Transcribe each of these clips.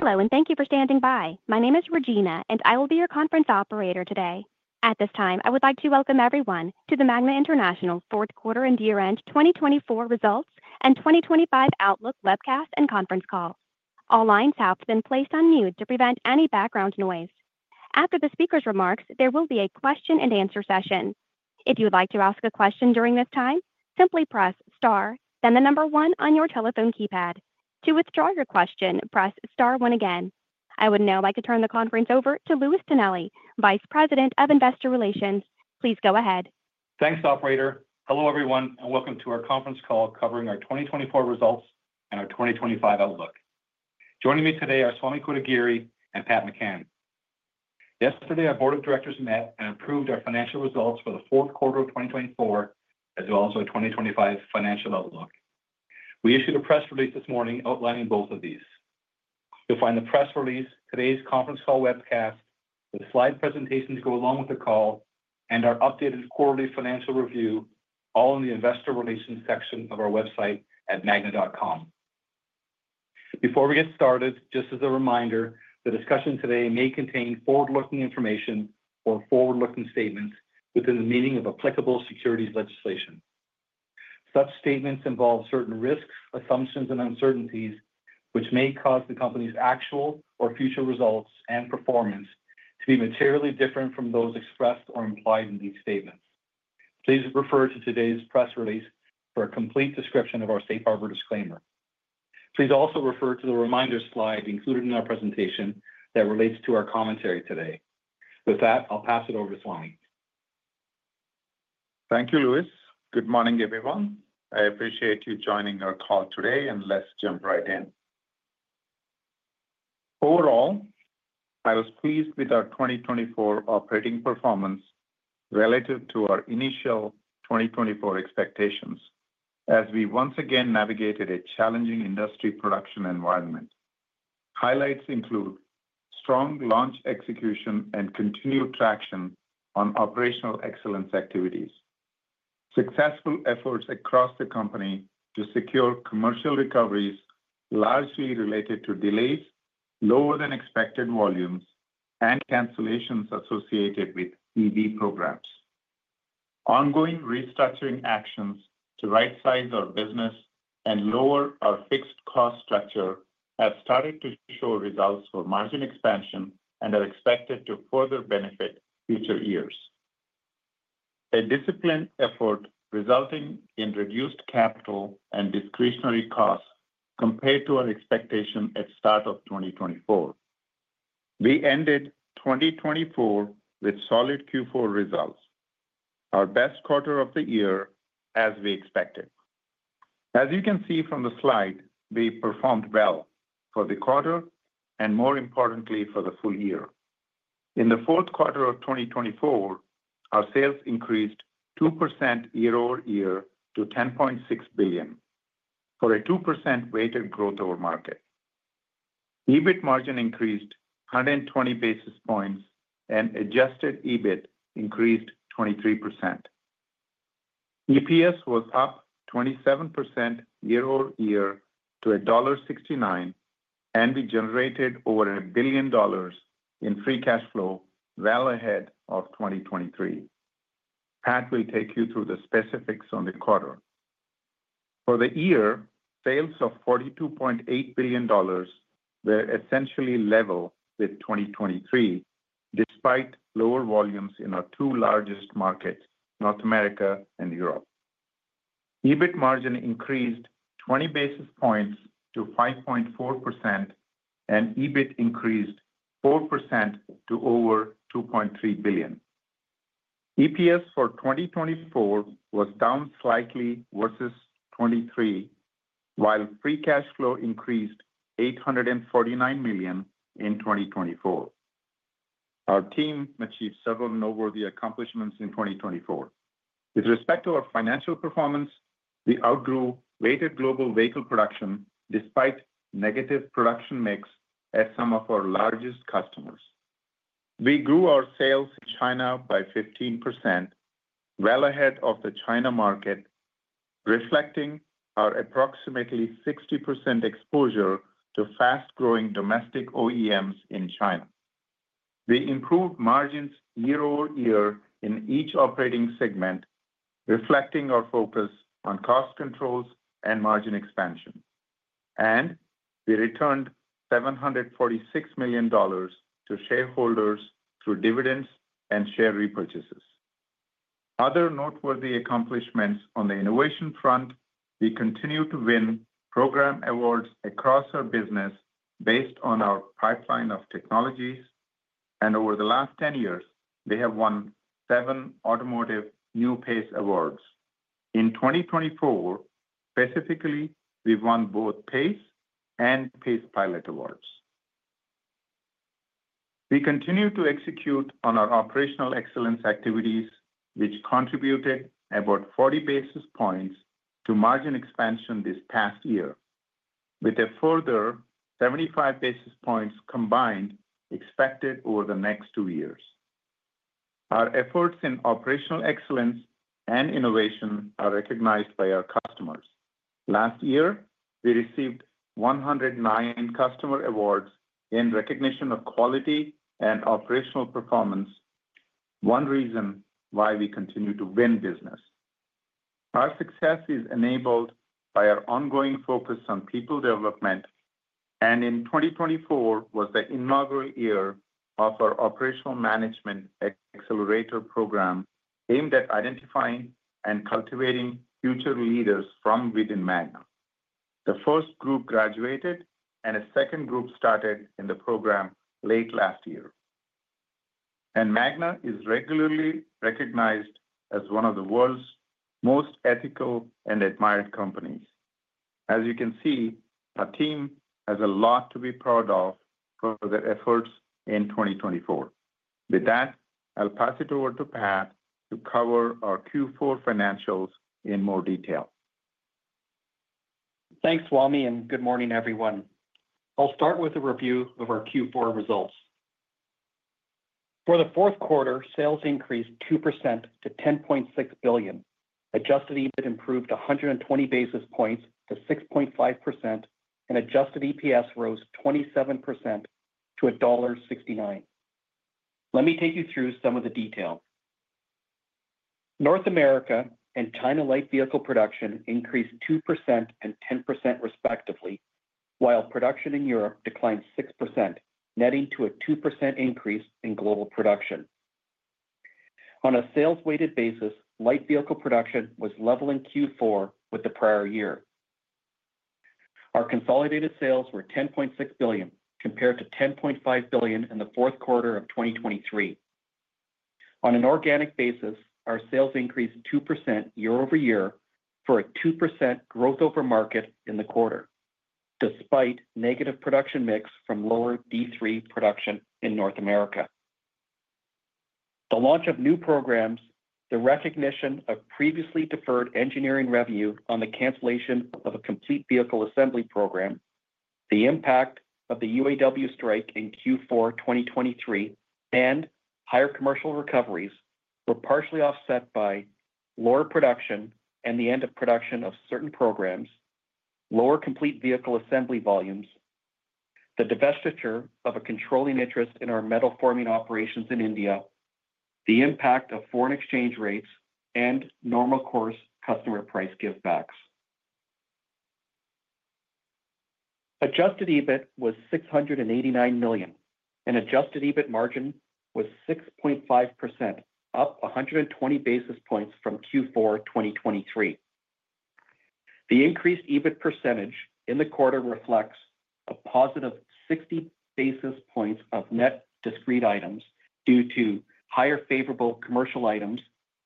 Hello, and thank you for standing by. My name is Regina, and I will be your conference operator today. At this time, I would like to welcome everyone to the Magna International Fourth Quarter and Year End 2024 Results and 2025 Outlook Webcast and Conference Call. All lines have been placed on mute to prevent any background noise. After the speaker's remarks, there will be a question-and-answer session. If you would like to ask a question during this time, simply press star, then the number one on your telephone keypad. To withdraw your question, press star one again. I would now like to turn the conference over to Louis Tonelli, Vice President of Investor Relations. Please go ahead. Thanks, operator. Hello, everyone, and welcome to our conference call covering our 2024 results and our 2025 outlook. Joining me today are Swamy Kotagiri and Pat McCann. Yesterday, our Board of Directors met and approved our financial results for the fourth quarter of 2024, as well as our 2025 financial outlook. We issued a press release this morning outlining both of these. You'll find the press release, today's conference call webcast, the slide presentations that go along with the call, and our updated quarterly financial review all in the Investor Relations section of our website at magna.com. Before we get started, just as a reminder, the discussion today may contain forward-looking information or forward-looking statements within the meaning of applicable securities legislation. Such statements involve certain risks, assumptions, and uncertainties, which may cause the company's actual or future results and performance to be materially different from those expressed or implied in these statements. Please refer to today's press release for a complete description of our safe harbor disclaimer. Please also refer to the reminder slide included in our presentation that relates to our commentary today. With that, I'll pass it over to Swamy. Thank you, Louis. Good morning, everyone. I appreciate you joining our call today, and let's jump right in. Overall, I was pleased with our 2024 operating performance relative to our initial 2024 expectations, as we once again navigated a challenging industry production environment. Highlights include strong launch execution and continued traction on operational excellence activities, successful efforts across the company to secure commercial recoveries largely related to delays, lower-than-expected volumes, and cancellations associated with EV programs. Ongoing restructuring actions to right-size our business and lower our fixed cost structure have started to show results for margin expansion and are expected to further benefit future years. A disciplined effort resulted in reduced capital and discretionary costs compared to our expectation at the start of 2024. We ended 2024 with solid Q4 results, our best quarter of the year, as we expected. As you can see from the slide, we performed well for the quarter and, more importantly, for the full year. In the fourth quarter of 2024, our sales increased 2% year-over-year to $10.6 billion, for a 2% weighted growth over market. EBIT margin increased 120 basis points, and adjusted EBIT increased 23%. EPS was up 27% year-over-year to $1.69, and we generated over $1 billion in free cash flow well ahead of 2023. Pat will take you through the specifics on the quarter. For the year, sales of $42.8 billion were essentially level with 2023, despite lower volumes in our two largest markets, North America and Europe. EBIT margin increased 20 basis points to 5.4%, and EBIT increased 4% to over $2.3 billion. EPS for 2024 was down slightly versus 2023, while free cash flow increased $849 million in 2024. Our team achieved several noteworthy accomplishments in 2024. With respect to our financial performance, we outgrew weighted global vehicle production despite negative production mix at some of our largest customers. We grew our sales in China by 15%, well ahead of the China market, reflecting our approximately 60% exposure to fast-growing domestic OEMs in China. We improved margins year-over-year in each operating segment, reflecting our focus on cost controls and margin expansion. And we returned $746 million to shareholders through dividends and share repurchases. Other noteworthy accomplishments on the innovation front: we continue to win program awards across our business based on our pipeline of technologies. And over the last 10 years, we have won seven Automotive News PACE awards. In 2024, specifically, we won both PACE and PACEpilot awards. We continue to execute on our operational excellence activities, which contributed about 40 basis points to margin expansion this past year, with a further 75 basis points combined expected over the next two years. Our efforts in operational excellence and innovation are recognized by our customers. Last year, we received 109 customer awards in recognition of quality and operational performance, one reason why we continue to win business. Our success is enabled by our ongoing focus on people development. In 2024 was the inaugural year of our Operational Management Accelerator program, aimed at identifying and cultivating future leaders from within Magna. The first group graduated, and a second group started in the program late last year. Magna is regularly recognized as one of the world's most ethical and admired companies. As you can see, our team has a lot to be proud of for their efforts in 2024. With that, I'll pass it over to Pat to cover our Q4 financials in more detail. Thanks, Swamy, and good morning, everyone. I'll start with a review of our Q4 results. For the fourth quarter, sales increased 2% to $10.6 billion. Adjusted EBIT improved 120 basis points to 6.5%, and adjusted EPS rose 27% to $1.69. Let me take you through some of the detail. North America and China light vehicle production increased 2% and 10%, respectively, while production in Europe declined 6%, netting to a 2% increase in global production. On a sales-weighted basis, light vehicle production was level in Q4 with the prior year. Our consolidated sales were $10.6 billion, compared to $10.5 billion in the fourth quarter of 2023. On an organic basis, our sales increased 2% year-over-year for a 2% growth over market in the quarter, despite negative production mix from lower D3 production in North America. The launch of new programs, the recognition of previously deferred engineering revenue on the cancellation of a complete vehicle assembly program, the impact of the UAW strike in Q4 2023, and higher commercial recoveries were partially offset by lower production and the end of production of certain programs, lower complete vehicle assembly volumes, the divestiture of a controlling interest in our metal forming operations in India, the impact of foreign exchange rates, and normal course customer price give-backs. Adjusted EBIT was $689 million, and adjusted EBIT margin was 6.5%, up 120 basis points from Q4 2023. The increased EBIT percentage in the quarter reflects a positive 60 basis points of net discrete items due to higher favorable commercial items,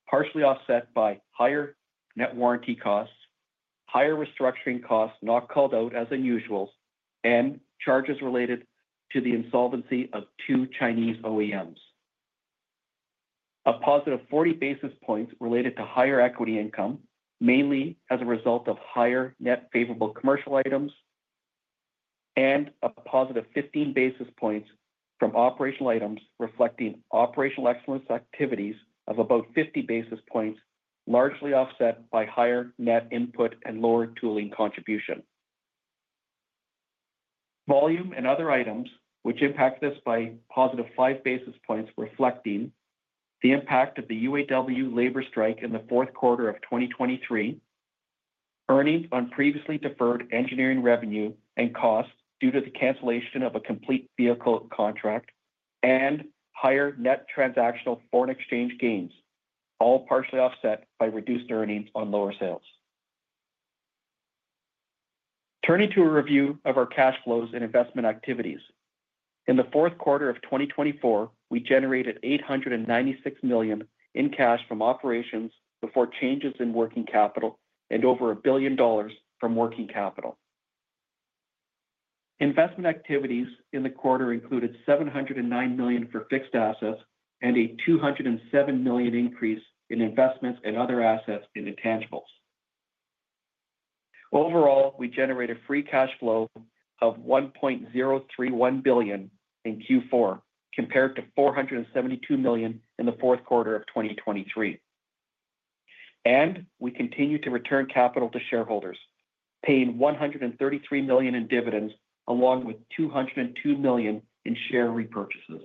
partially offset by higher net warranty costs, higher restructuring costs not called out as unusual, and charges related to the insolvency of two Chinese OEMs. A positive 40 basis points related to higher equity income, mainly as a result of higher net favorable commercial items, and a positive 15 basis points from operational items, reflecting operational excellence activities of about 50 basis points, largely offset by higher net input and lower tooling contribution. Volume and other items, which impact this by positive 5 basis points, reflecting the impact of the UAW labor strike in the fourth quarter of 2023, earnings on previously deferred engineering revenue and costs due to the cancellation of a complete vehicle contract, and higher net transactional foreign exchange gains, all partially offset by reduced earnings on lower sales. Turning to a review of our cash flows and investment activities. In the fourth quarter of 2024, we generated $896 million in cash from operations before changes in working capital and over $1 billion from working capital. Investment activities in the quarter included $709 million for fixed assets and a $207 million increase in investments and other assets in intangibles. Overall, we generated free cash flow of $1.031 billion in Q4, compared to $472 million in the fourth quarter of 2023. We continue to return capital to shareholders, paying $133 million in dividends, along with $202 million in share repurchases.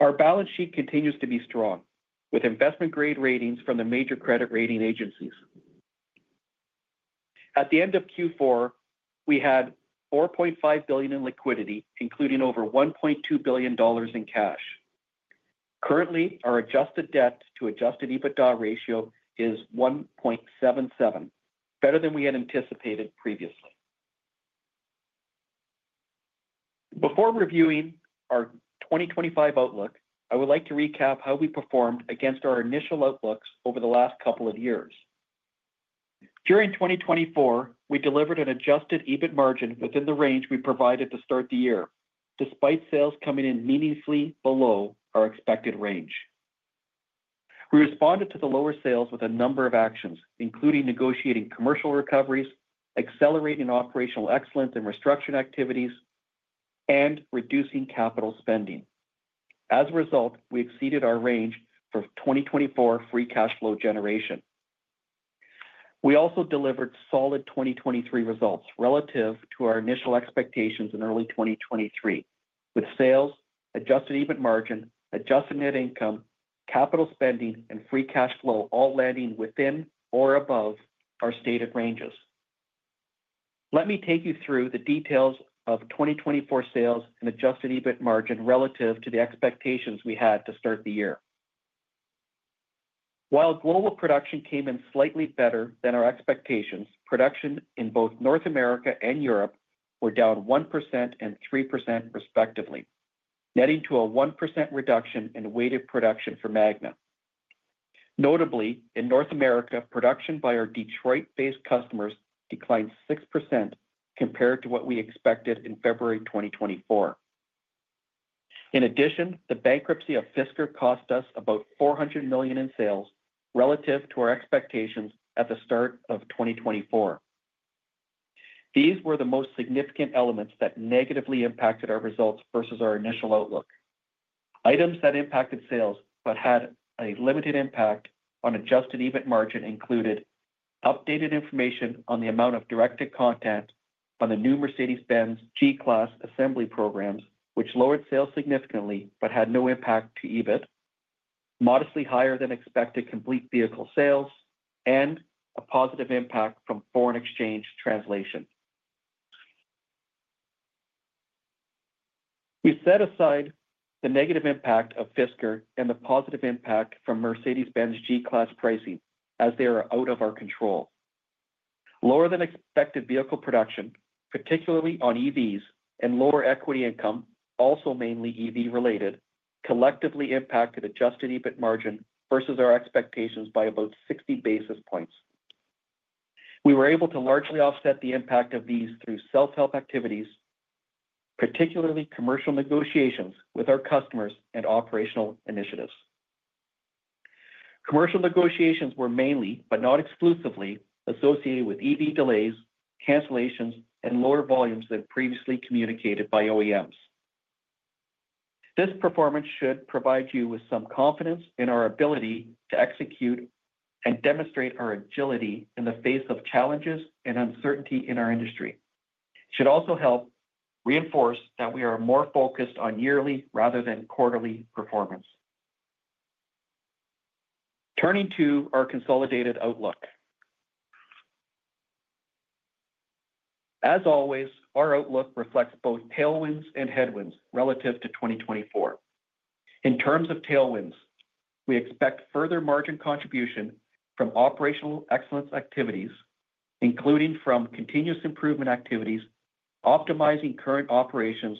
Our balance sheet continues to be strong, with investment-grade ratings from the major credit rating agencies. At the end of Q4, we had $4.5 billion in liquidity, including over $1.2 billion in cash. Currently, our adjusted debt to adjusted EBITDA ratio is 1.77, better than we had anticipated previously. Before reviewing our 2025 outlook, I would like to recap how we performed against our initial outlooks over the last couple of years. During 2024, we delivered an adjusted EBIT margin within the range we provided to start the year, despite sales coming in meaningfully below our expected range. We responded to the lower sales with a number of actions, including negotiating commercial recoveries, accelerating operational excellence and restructuring activities, and reducing capital spending. As a result, we exceeded our range for 2024 free cash flow generation. We also delivered solid 2023 results relative to our initial expectations in early 2023, with sales, adjusted EBIT margin, adjusted net income, capital spending, and free cash flow all landing within or above our stated ranges. Let me take you through the details of 2024 sales and adjusted EBIT margin relative to the expectations we had to start the year. While global production came in slightly better than our expectations, production in both North America and Europe was down 1% and 3%, respectively, netting to a 1% reduction in weighted production for Magna. Notably, in North America, production by our Detroit-based customers declined 6%, compared to what we expected in February 2024. In addition, the bankruptcy of Fisker cost us about $400 million in sales relative to our expectations at the start of 2024. These were the most significant elements that negatively impacted our results versus our initial outlook. Items that impacted sales but had a limited impact on adjusted EBIT margin included updated information on the amount of directed content on the new Mercedes-Benz G-Class assembly programs, which lowered sales significantly but had no impact to EBIT, modestly higher than expected complete vehicle sales, and a positive impact from foreign exchange translation. We set aside the negative impact of Fisker and the positive impact from Mercedes-Benz G-Class pricing, as they are out of our control. Lower than expected vehicle production, particularly on EVs, and lower equity income, also mainly EV-related, collectively impacted adjusted EBIT margin versus our expectations by about 60 basis points. We were able to largely offset the impact of these through self-help activities, particularly commercial negotiations with our customers and operational initiatives. Commercial negotiations were mainly, but not exclusively, associated with EV delays, cancellations, and lower volumes than previously communicated by OEMs. This performance should provide you with some confidence in our ability to execute and demonstrate our agility in the face of challenges and uncertainty in our industry. It should also help reinforce that we are more focused on yearly rather than quarterly performance. Turning to our consolidated outlook. As always, our outlook reflects both tailwinds and headwinds relative to 2024. In terms of tailwinds, we expect further margin contribution from operational excellence activities, including from continuous improvement activities, optimizing current operations,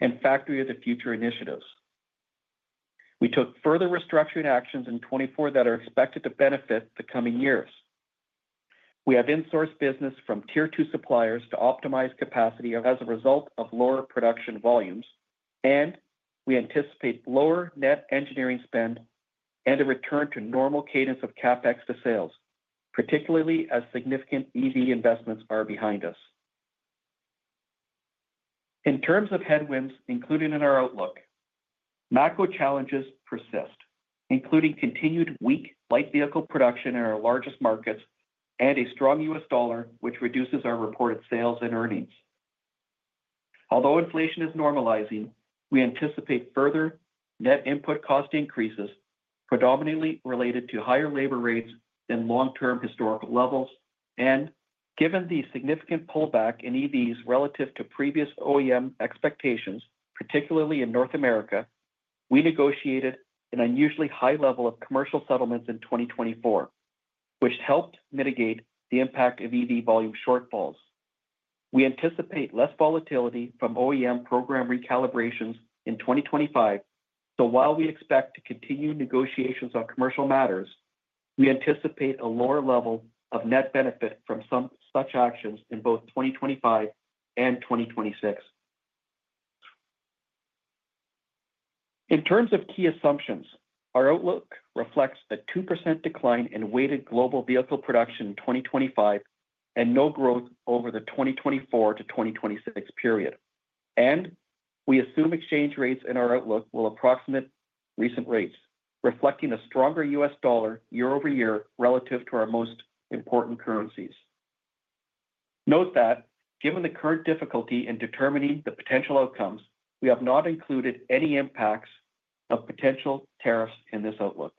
and Factory of the Future initiatives. We took further restructuring actions in 2024 that are expected to benefit the coming years. We have insourced business from Tier 2 suppliers to optimize capacity as a result of lower production volumes, and we anticipate lower net engineering spend and a return to normal cadence of CapEx to sales, particularly as significant EV investments are behind us. In terms of headwinds included in our outlook, macro challenges persist, including continued weak light vehicle production in our largest markets and a strong U.S. dollar, which reduces our reported sales and earnings. Although inflation is normalizing, we anticipate further net input cost increases, predominantly related to higher labor rates than long-term historical levels, and given the significant pullback in EVs relative to previous OEM expectations, particularly in North America, we negotiated an unusually high level of commercial settlements in 2024, which helped mitigate the impact of EV volume shortfalls. We anticipate less volatility from OEM program recalibrations in 2025, so while we expect to continue negotiations on commercial matters, we anticipate a lower level of net benefit from some such actions in both 2025 and 2026. In terms of key assumptions, our outlook reflects a 2% decline in weighted global vehicle production in 2025 and no growth over the 2024 to 2026 period, and we assume exchange rates in our outlook will approximate recent rates, reflecting a stronger U.S. dollar year-over-year relative to our most important currencies. Note that, given the current difficulty in determining the potential outcomes, we have not included any impacts of potential tariffs in this outlook.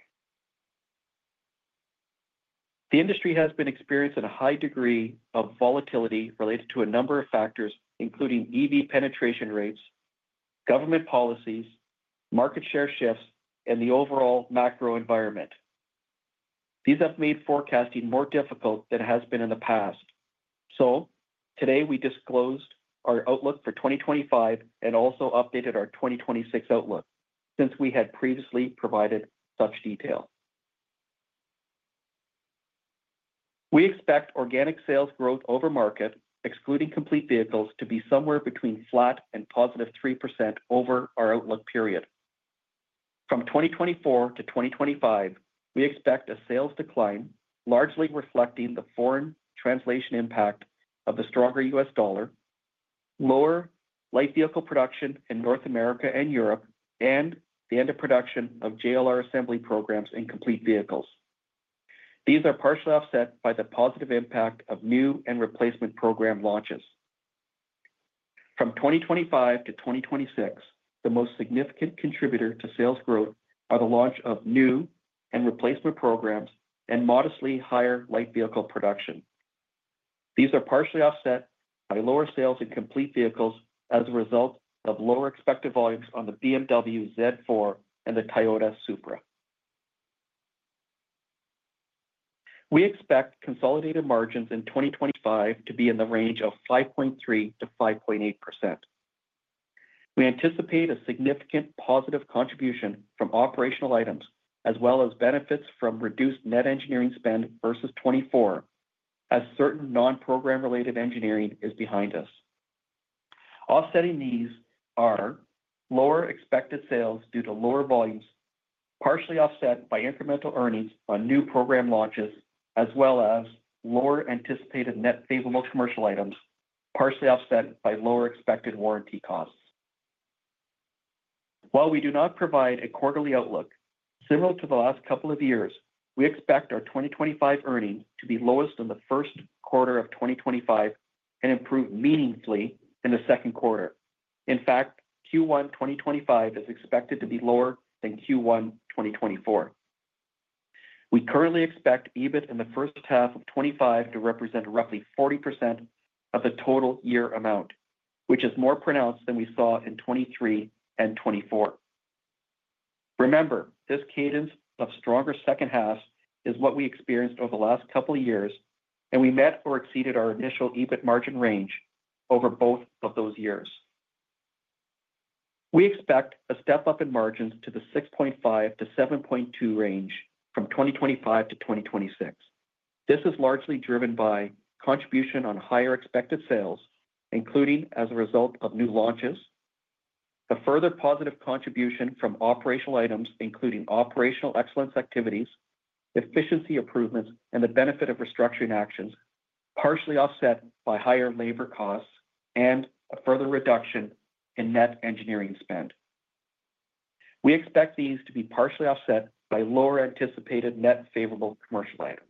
The industry has been experiencing a high degree of volatility related to a number of factors, including EV penetration rates, government policies, market share shifts, and the overall macro environment. These have made forecasting more difficult than it has been in the past. So today, we disclosed our outlook for 2025 and also updated our 2026 outlook since we had previously provided such detail. We expect organic sales growth over market, excluding complete vehicles, to be somewhere between flat and positive 3% over our outlook period. From 2024 to 2025, we expect a sales decline, largely reflecting the foreign translation impact of the stronger U.S. dollar, lower light vehicle production in North America and Europe, and the end of production of JLR assembly programs in complete vehicles. These are partially offset by the positive impact of new and replacement program launches. From 2025 to 2026, the most significant contributor to sales growth are the launch of new and replacement programs and modestly higher light vehicle production. These are partially offset by lower sales in complete vehicles as a result of lower expected volumes on the BMW Z4 and the Toyota Supra. We expect consolidated margins in 2025 to be in the range of 5.3%-5.8%. We anticipate a significant positive contribution from operational items, as well as benefits from reduced net engineering spend versus 2024, as certain non-program-related engineering is behind us. Offsetting these are lower expected sales due to lower volumes, partially offset by incremental earnings on new program launches, as well as lower anticipated net favorable commercial items, partially offset by lower expected warranty costs. While we do not provide a quarterly outlook, similar to the last couple of years, we expect our 2025 earnings to be lowest in the first quarter of 2025 and improve meaningfully in the second quarter. In fact, Q1 2025 is expected to be lower than Q1 2024. We currently expect EBIT in the first half of 2025 to represent roughly 40% of the total year amount, which is more pronounced than we saw in 2023 and 2024. Remember, this cadence of stronger second halves is what we experienced over the last couple of years, and we met or exceeded our initial EBIT margin range over both of those years. We expect a step up in margins to the 6.5%-7.2% range from 2025 to 2026. This is largely driven by contribution on higher expected sales, including as a result of new launches, a further positive contribution from operational items, including operational excellence activities, efficiency improvements, and the benefit of restructuring actions, partially offset by higher labor costs and a further reduction in net engineering spend. We expect these to be partially offset by lower anticipated net favorable commercial items.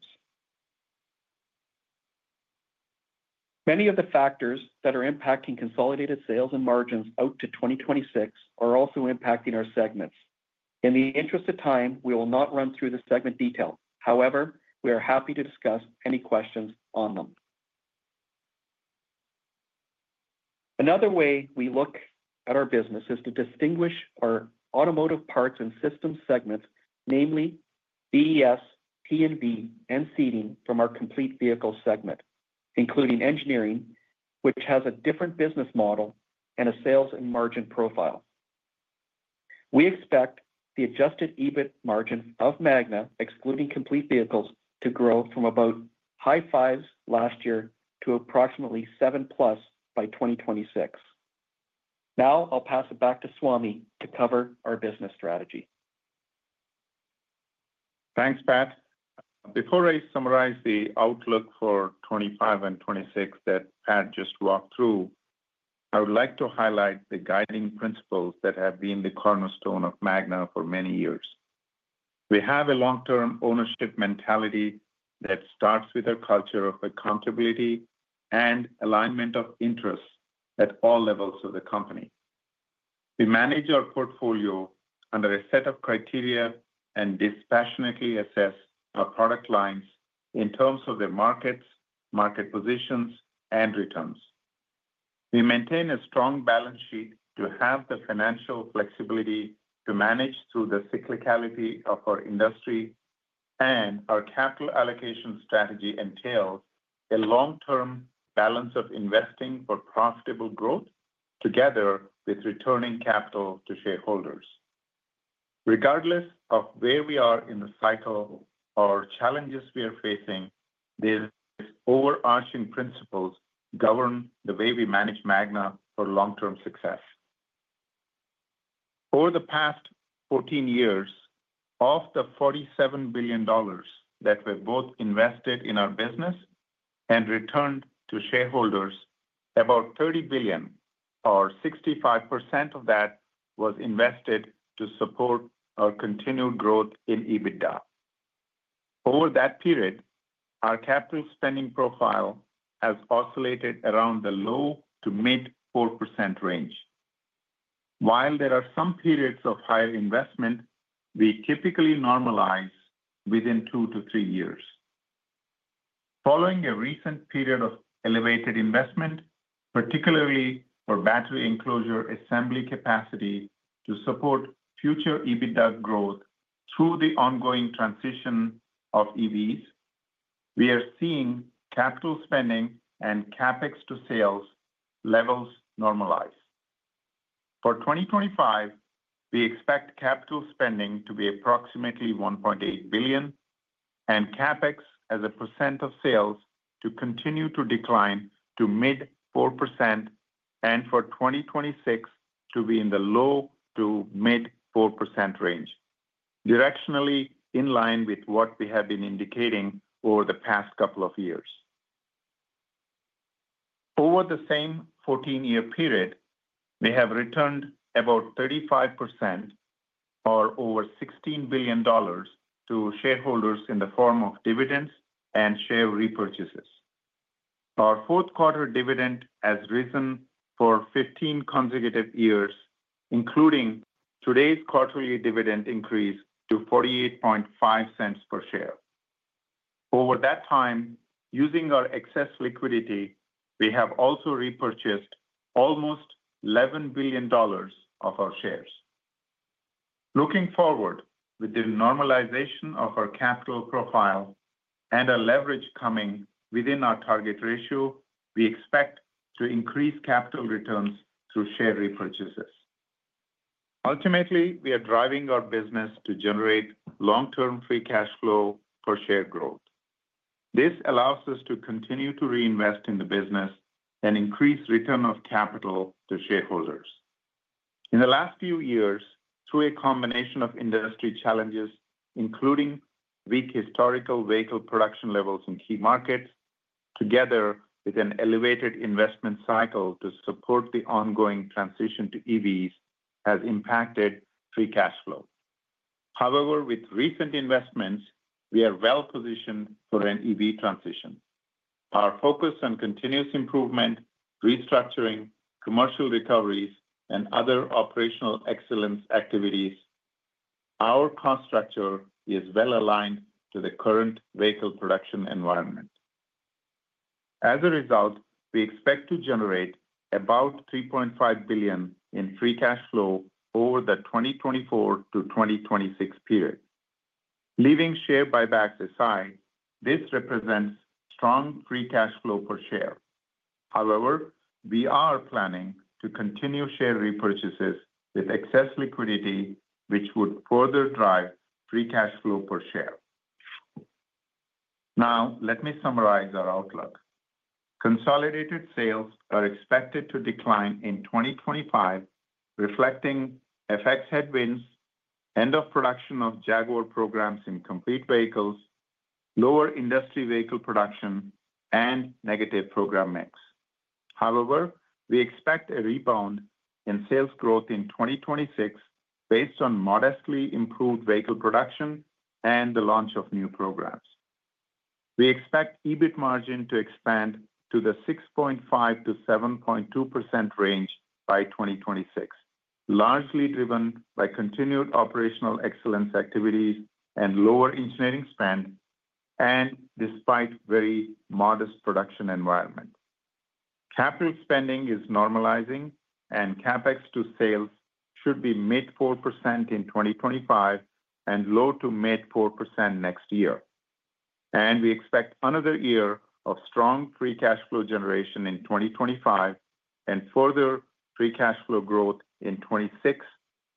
Many of the factors that are impacting consolidated sales and margins out to 2026 are also impacting our segments. In the interest of time, we will not run through the segment detail. However, we are happy to discuss any questions on them. Another way we look at our business is to distinguish our automotive parts and systems segments, namely BES, P&V, and Seating from our Complete Vehicles segment, including engineering, which has a different business model and a sales and margin profile. We expect the adjusted EBIT margin of Magna, excluding complete vehicles, to grow from about high fives last year to approximately seven plus by 2026. Now I'll pass it back to Swamy to cover our business strategy. Thanks, Pat. Before I summarize the outlook for 2025 and 2026 that Pat just walked through, I would like to highlight the guiding principles that have been the cornerstone of Magna for many years. We have a long-term ownership mentality that starts with our culture of accountability and alignment of interests at all levels of the company. We manage our portfolio under a set of criteria and dispassionately assess our product lines in terms of their markets, market positions, and returns. We maintain a strong balance sheet to have the financial flexibility to manage through the cyclicality of our industry, and our capital allocation strategy entails a long-term balance of investing for profitable growth together with returning capital to shareholders. Regardless of where we are in the cycle or challenges we are facing, these overarching principles govern the way we manage Magna for long-term success. Over the past 14 years, of the $47 billion that we've both invested in our business and returned to shareholders, about $30 billion, or 65% of that, was invested to support our continued growth in EBITDA. Over that period, our capital spending profile has oscillated around the low to mid 4% range. While there are some periods of higher investment, we typically normalize within two to three years. Following a recent period of elevated investment, particularly for battery enclosure assembly capacity to support future EBITDA growth through the ongoing transition of EVs, we are seeing capital spending and CapEx to sales levels normalize. For 2025, we expect capital spending to be approximately $1.8 billion, and CapEx as a percent of sales to continue to decline to mid 4%, and for 2026 to be in the low to mid 4% range, directionally in line with what we have been indicating over the past couple of years. Over the same 14-year period, we have returned about 35%, or over $16 billion, to shareholders in the form of dividends and share repurchases. Our fourth quarter dividend has risen for 15 consecutive years, including today's quarterly dividend increase to $0.485 per share. Over that time, using our excess liquidity, we have also repurchased almost $11 billion of our shares. Looking forward, with the normalization of our capital profile and a leverage coming within our target ratio, we expect to increase capital returns through share repurchases. Ultimately, we are driving our business to generate long-term free cash flow for share growth. This allows us to continue to reinvest in the business and increase return of capital to shareholders. In the last few years, through a combination of industry challenges, including weak historical vehicle production levels in key markets, together with an elevated investment cycle to support the ongoing transition to EVs, has impacted free cash flow. However, with recent investments, we are well positioned for an EV transition. Our focus on continuous improvement, restructuring, commercial recoveries, and other operational excellence activities. Our cost structure is well aligned to the current vehicle production environment. As a result, we expect to generate about $3.5 billion in free cash flow over the 2024 to 2026 period. Leaving share buybacks aside, this represents strong free cash flow per share. However, we are planning to continue share repurchases with excess liquidity, which would further drive free cash flow per share. Now, let me summarize our outlook. Consolidated sales are expected to decline in 2025, reflecting FX headwinds, end of production of Jaguar programs in complete vehicles, lower industry vehicle production, and negative program mix. However, we expect a rebound in sales growth in 2026 based on modestly improved vehicle production and the launch of new programs. We expect EBIT margin to expand to the 6.5%-7.2% range by 2026, largely driven by continued operational excellence activities and lower engineering spend, and despite very modest production environment. Capital spending is normalizing, and CapEx to sales should be mid 4% in 2025 and low to mid 4% next year. We expect another year of strong free cash flow generation in 2025 and further free cash flow growth in 2026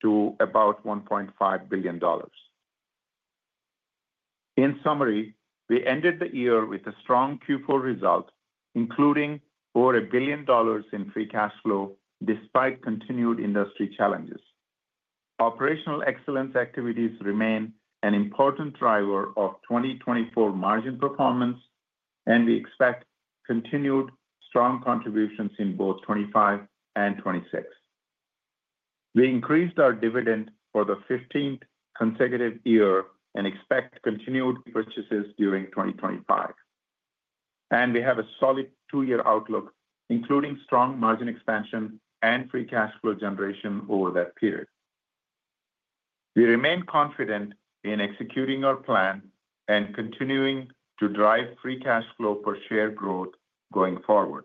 to about $1.5 billion. In summary, we ended the year with a strong Q4 result, including over $1 billion in free cash flow despite continued industry challenges. Operational excellence activities remain an important driver of 2024 margin performance, and we expect continued strong contributions in both 2025 and 2026. We increased our dividend for the 15th consecutive year and expect continued repurchases during 2025. We have a solid two-year outlook, including strong margin expansion and free cash flow generation over that period. We remain confident in executing our plan and continuing to drive free cash flow per share growth going forward.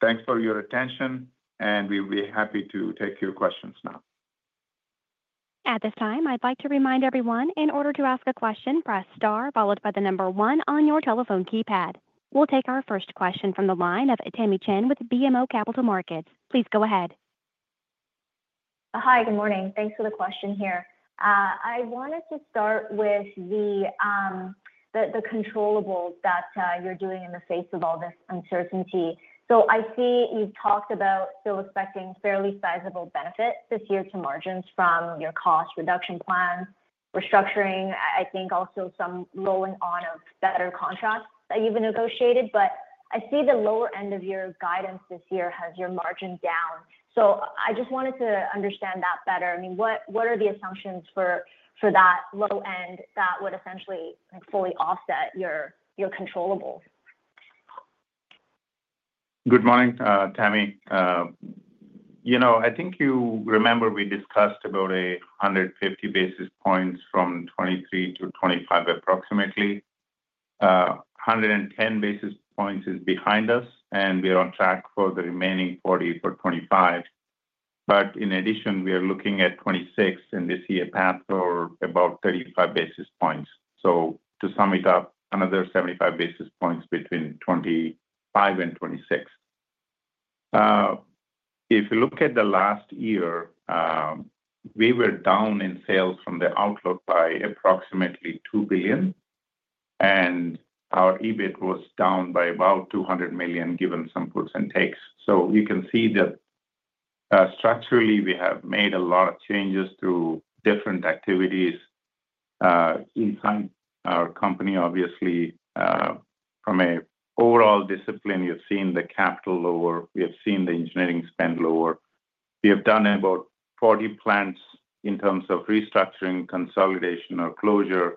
Thanks for your attention, and we'll be happy to take your questions now. At this time, I'd like to remind everyone, in order to ask a question, press star followed by the number one on your telephone keypad. We'll take our first question from the line of Tamy Chen with BMO Capital Markets. Please go ahead. Hi, good morning. Thanks for the question here. I wanted to start with the controllable that you're doing in the face of all this uncertainty. So I see you've talked about still expecting fairly sizable benefits this year to margins from your cost reduction plans, restructuring, I think also some rolling on of better contracts that you've negotiated. But I see the lower end of your guidance this year has your margin down. So I just wanted to understand that better. I mean, what are the assumptions for that low end that would essentially fully offset your controllable? Good morning, Tamy. You know, I think you remember we discussed about 150 basis points from 2023 to 2025, approximately. 110 basis points is behind us, and we are on track for the remaining 40 for 2025. But in addition, we are looking at 2026, and this year's path for about 35 basis points. So to sum it up, another 75 basis points between 2025 and 2026. If you look at the last year, we were down in sales from the outlook by approximately $2 billion, and our EBIT was down by about $200 million, given some puts and takes. So you can see that structurally we have made a lot of changes through different activities inside our company, obviously. From an overall discipline, you've seen the capital lower. We have seen the engineering spend lower. We have done about 40 plants in terms of restructuring, consolidation, or closure.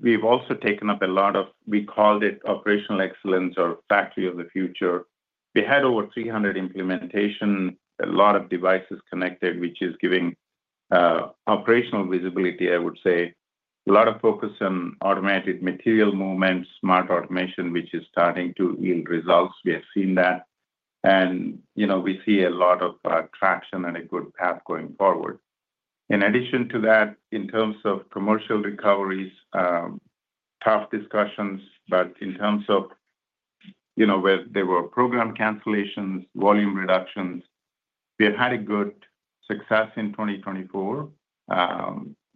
We've also taken up a lot of, we called it operational excellence or Factory of the Future. We had over 300 implementations, a lot of devices connected, which is giving operational visibility, I would say. A lot of focus on automated material movements, smart automation, which is starting to yield results. We have seen that, and we see a lot of traction and a good path going forward. In addition to that, in terms of commercial recoveries, tough discussions, but in terms of where there were program cancellations, volume reductions, we had a good success in 2024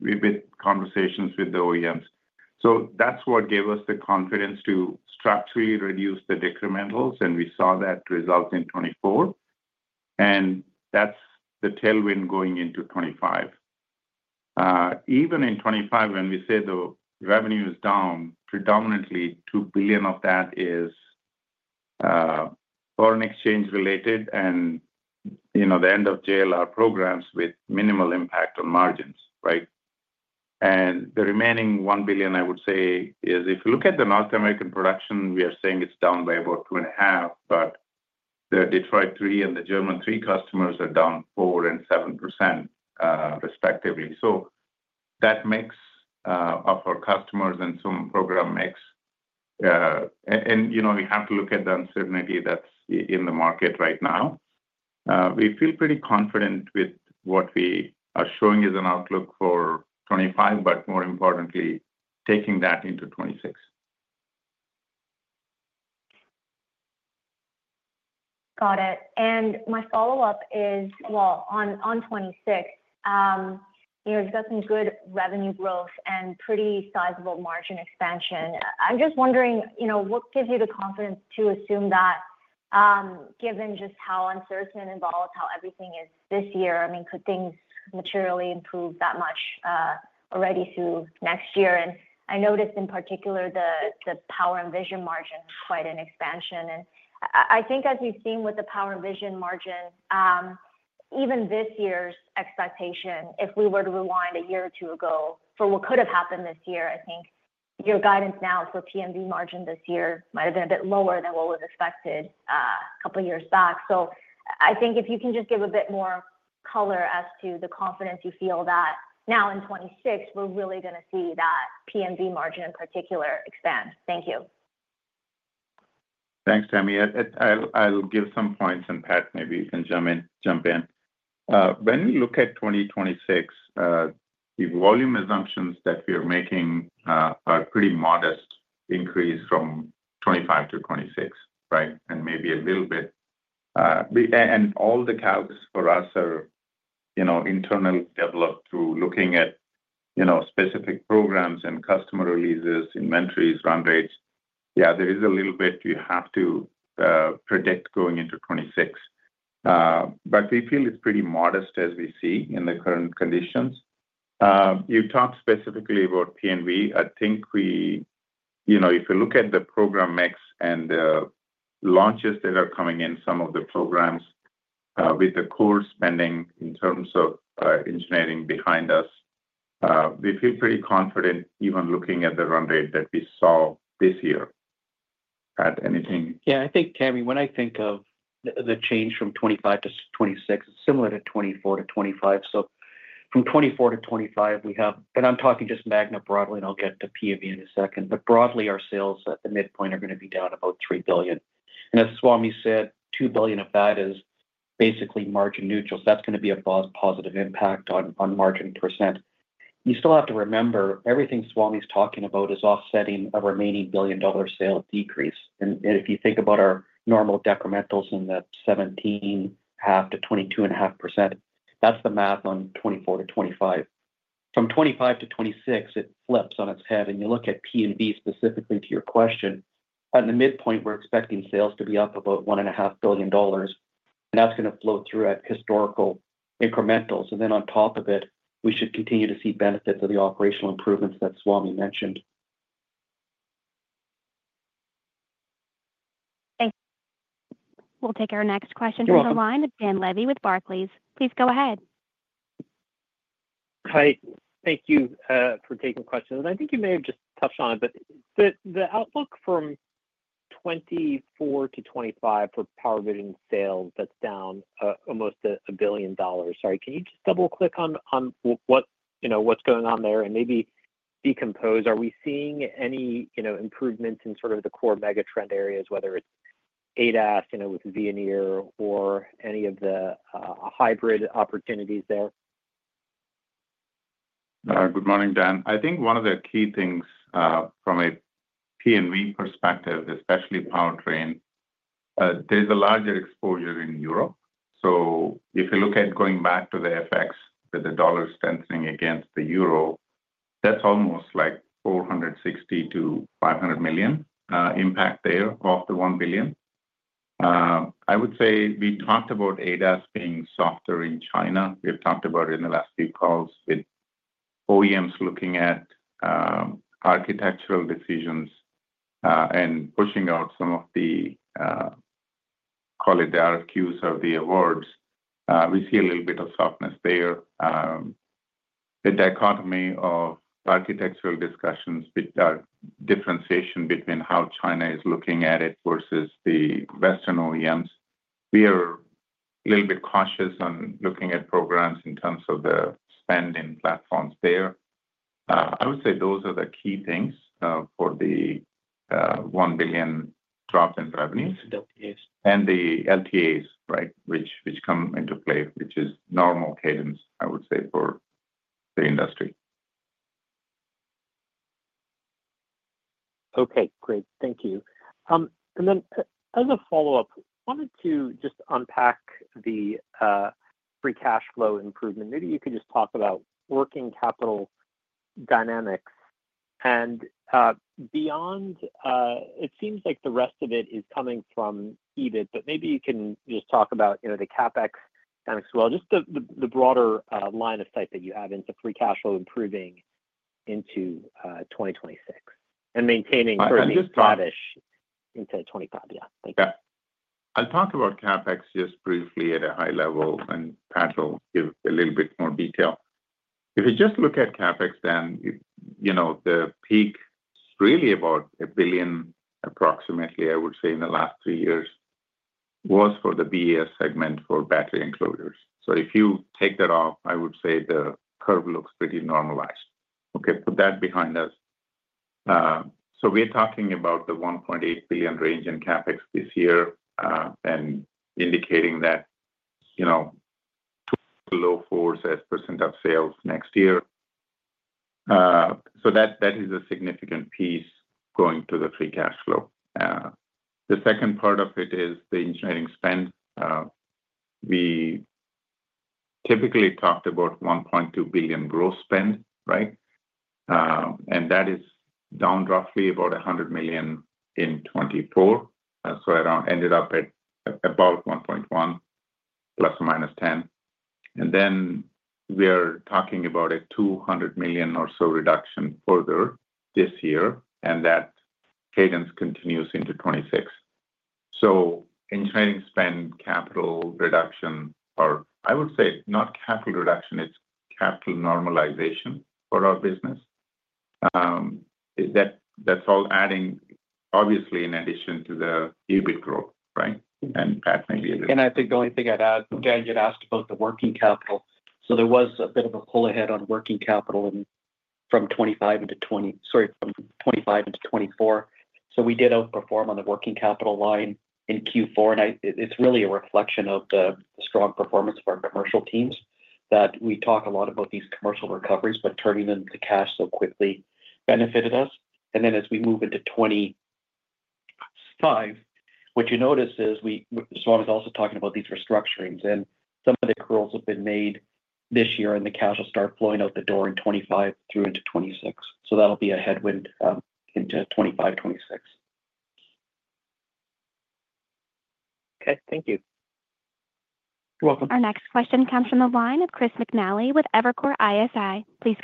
with conversations with the OEMs. So that's what gave us the confidence to structurally reduce the decrementals, and we saw that result in 2024. That's the tailwind going into 2025. Even in 2025, when we say the revenue is down, predominantly $2 billion of that is foreign exchange related and the end of JLR programs with minimal impact on margins, right? And the remaining $1 billion, I would say, is if you look at the North American production, we are saying it's down by about $2.5 billion, but the Detroit 3 and the German 3 customers are down 4% and 7%, respectively. So that makes up our customers and some program mix. And we have to look at the uncertainty that's in the market right now. We feel pretty confident with what we are showing as an outlook for 2025, but more importantly, taking that into 2026. Got it and my follow-up is, well, on 2026, you've got some good revenue growth and pretty sizable margin expansion. I'm just wondering, what gives you the confidence to assume that, given just how uncertain and volatile everything is this year? I mean, could things materially improve that much already through next year? and I noticed in particular, the Power & Vision margin is quite an expansion. And I think as we've seen with the Power & Vision margin, even this year's expectation, if we were to rewind a year or two ago for what could have happened this year, I think your guidance now for P&V margin this year might have been a bit lower than what was expected a couple of years back. I think if you can just give a bit more color as to the confidence you feel that now in 2026, we're really going to see that P&V margin in particular expand. Thank you. Thanks, Tamy. I'll give some points and Pat, maybe you can jump in. When we look at 2026, the volume assumptions that we are making are a pretty modest increase from 2025 to 2026, right? And maybe a little bit. And all the calcs for us are internally developed through looking at specific programs and customer releases, inventories, run rates. Yeah, there is a little bit you have to predict going into 2026. But we feel it's pretty modest as we see in the current conditions. You talked specifically about P&V. I think if you look at the program mix and the launches that are coming in, some of the programs with the core spending in terms of engineering behind us, we feel pretty confident even looking at the run rate that we saw this year. Pat, anything? Yeah, I think, Tamy, when I think of the change from 2025 to 2026, it's similar to 2024 to 2025. So from 2024 to 2025, we have, and I'm talking just Magna broadly, and I'll get to P&V in a second, but broadly, our sales at the midpoint are going to be down about $3 billion. And as Swamy said, $2 billion of that is basically margin neutral. So that's going to be a positive impact on margin percent. You still have to remember everything Swamy's talking about is offsetting a remaining billion-dollar sale decrease. And if you think about our normal decrementals in the 17.5% to 22.5%, that's the math on 2024 to 2025. From 2025 to 2026, it flips on its head. And you look at P&V specifically to your question, at the midpoint, we're expecting sales to be up about $1.5 billion. That's going to flow through at historical incrementals. Then on top of it, we should continue to see benefits of the operational improvements that Swamy mentioned. Thank you. We'll take our next question from the line of Dan Levy with Barclays. Please go ahead. Hi. Thank you for taking the question. And I think you may have just touched on it, but the outlook from 2024 to 2025 for Power & Vision sales, that's down almost $1 billion. Sorry, can you just double-click on what's going on there and maybe decompose? Are we seeing any improvements in sort of the core megatrend areas, whether it's ADAS with Veoneer or any of the hybrid opportunities there? Good morning, Dan. I think one of the key things from a P&V perspective, especially powertrain, there's a larger exposure in Europe. So if you look at going back to the FX with the dollar strengthening against the euro, that's almost like $460-$500 million impact there off the $1 billion. I would say we talked about ADAS being softer in China. We've talked about it in the last few calls with OEMs looking at architectural decisions and pushing out some of the, call it the RFQs or the awards. We see a little bit of softness there. The dichotomy of architectural discussions with the differentiation between how China is looking at it versus the Western OEMs. We are a little bit cautious on looking at programs in terms of the spending platforms there. I would say those are the key things for the $1 billion drop in revenues. The LTAs. And the LTAs, right, which come into play, which is normal cadence, I would say, for the industry. Okay, great. Thank you. And then as a follow-up, I wanted to just unpack the free cash flow improvement. Maybe you could just talk about working capital dynamics. And beyond, it seems like the rest of it is coming from EBIT, but maybe you can just talk about the CapEx as well, just the broader line of sight that you have into free cash flow improving into 2026 and maintaining for. I'll just talk. into 2025. Yeah. Thank you. Yeah. I'll talk about CapEx just briefly at a high level, and Pat will give a little bit more detail. If you just look at CapEx, Dan, the peak is really about $1 billion, approximately, I would say, in the last three years was for the BES segment for battery enclosures. So if you take that off, I would say the curve looks pretty normalized. Okay, put that behind us. So we're talking about the $1.8 billion range in CapEx this year and indicating low 4s percent of sales next year. So that is a significant piece going to the free cash flow. The second part of it is the engineering spend. We typically talked about $1.2 billion gross spend, right? And that is down roughly about $100 million in 2024. So it ended up at about $1.1 billion, ±$10 million. And then we are talking about a $200 million or so reduction further this year, and that cadence continues into 2026. So engineering spend, capital reduction, or I would say not capital reduction, it's capital normalization for our business. That's all adding, obviously, in addition to the EBIT growth, right? And Pat, maybe address. And I think the only thing I'd add, Dan, you'd asked about the working capital. So there was a bit of a pull ahead on working capital from 2025 into 2020, sorry, from 2025 into 2024. So we did outperform on the working capital line in Q4. And it's really a reflection of the strong performance of our commercial teams that we talk a lot about these commercial recoveries, but turning them to cash so quickly benefited us. And then as we move into 2025, what you notice is Swami's also talking about these restructurings. And some of the cuts have been made this year, and the cash will start flowing out the door in 2025 through into 2026. So that'll be a headwind into 2025, 2026. Okay, thank you. You're welcome. Our next question comes from the line of Chris McNally with Evercore ISI. Please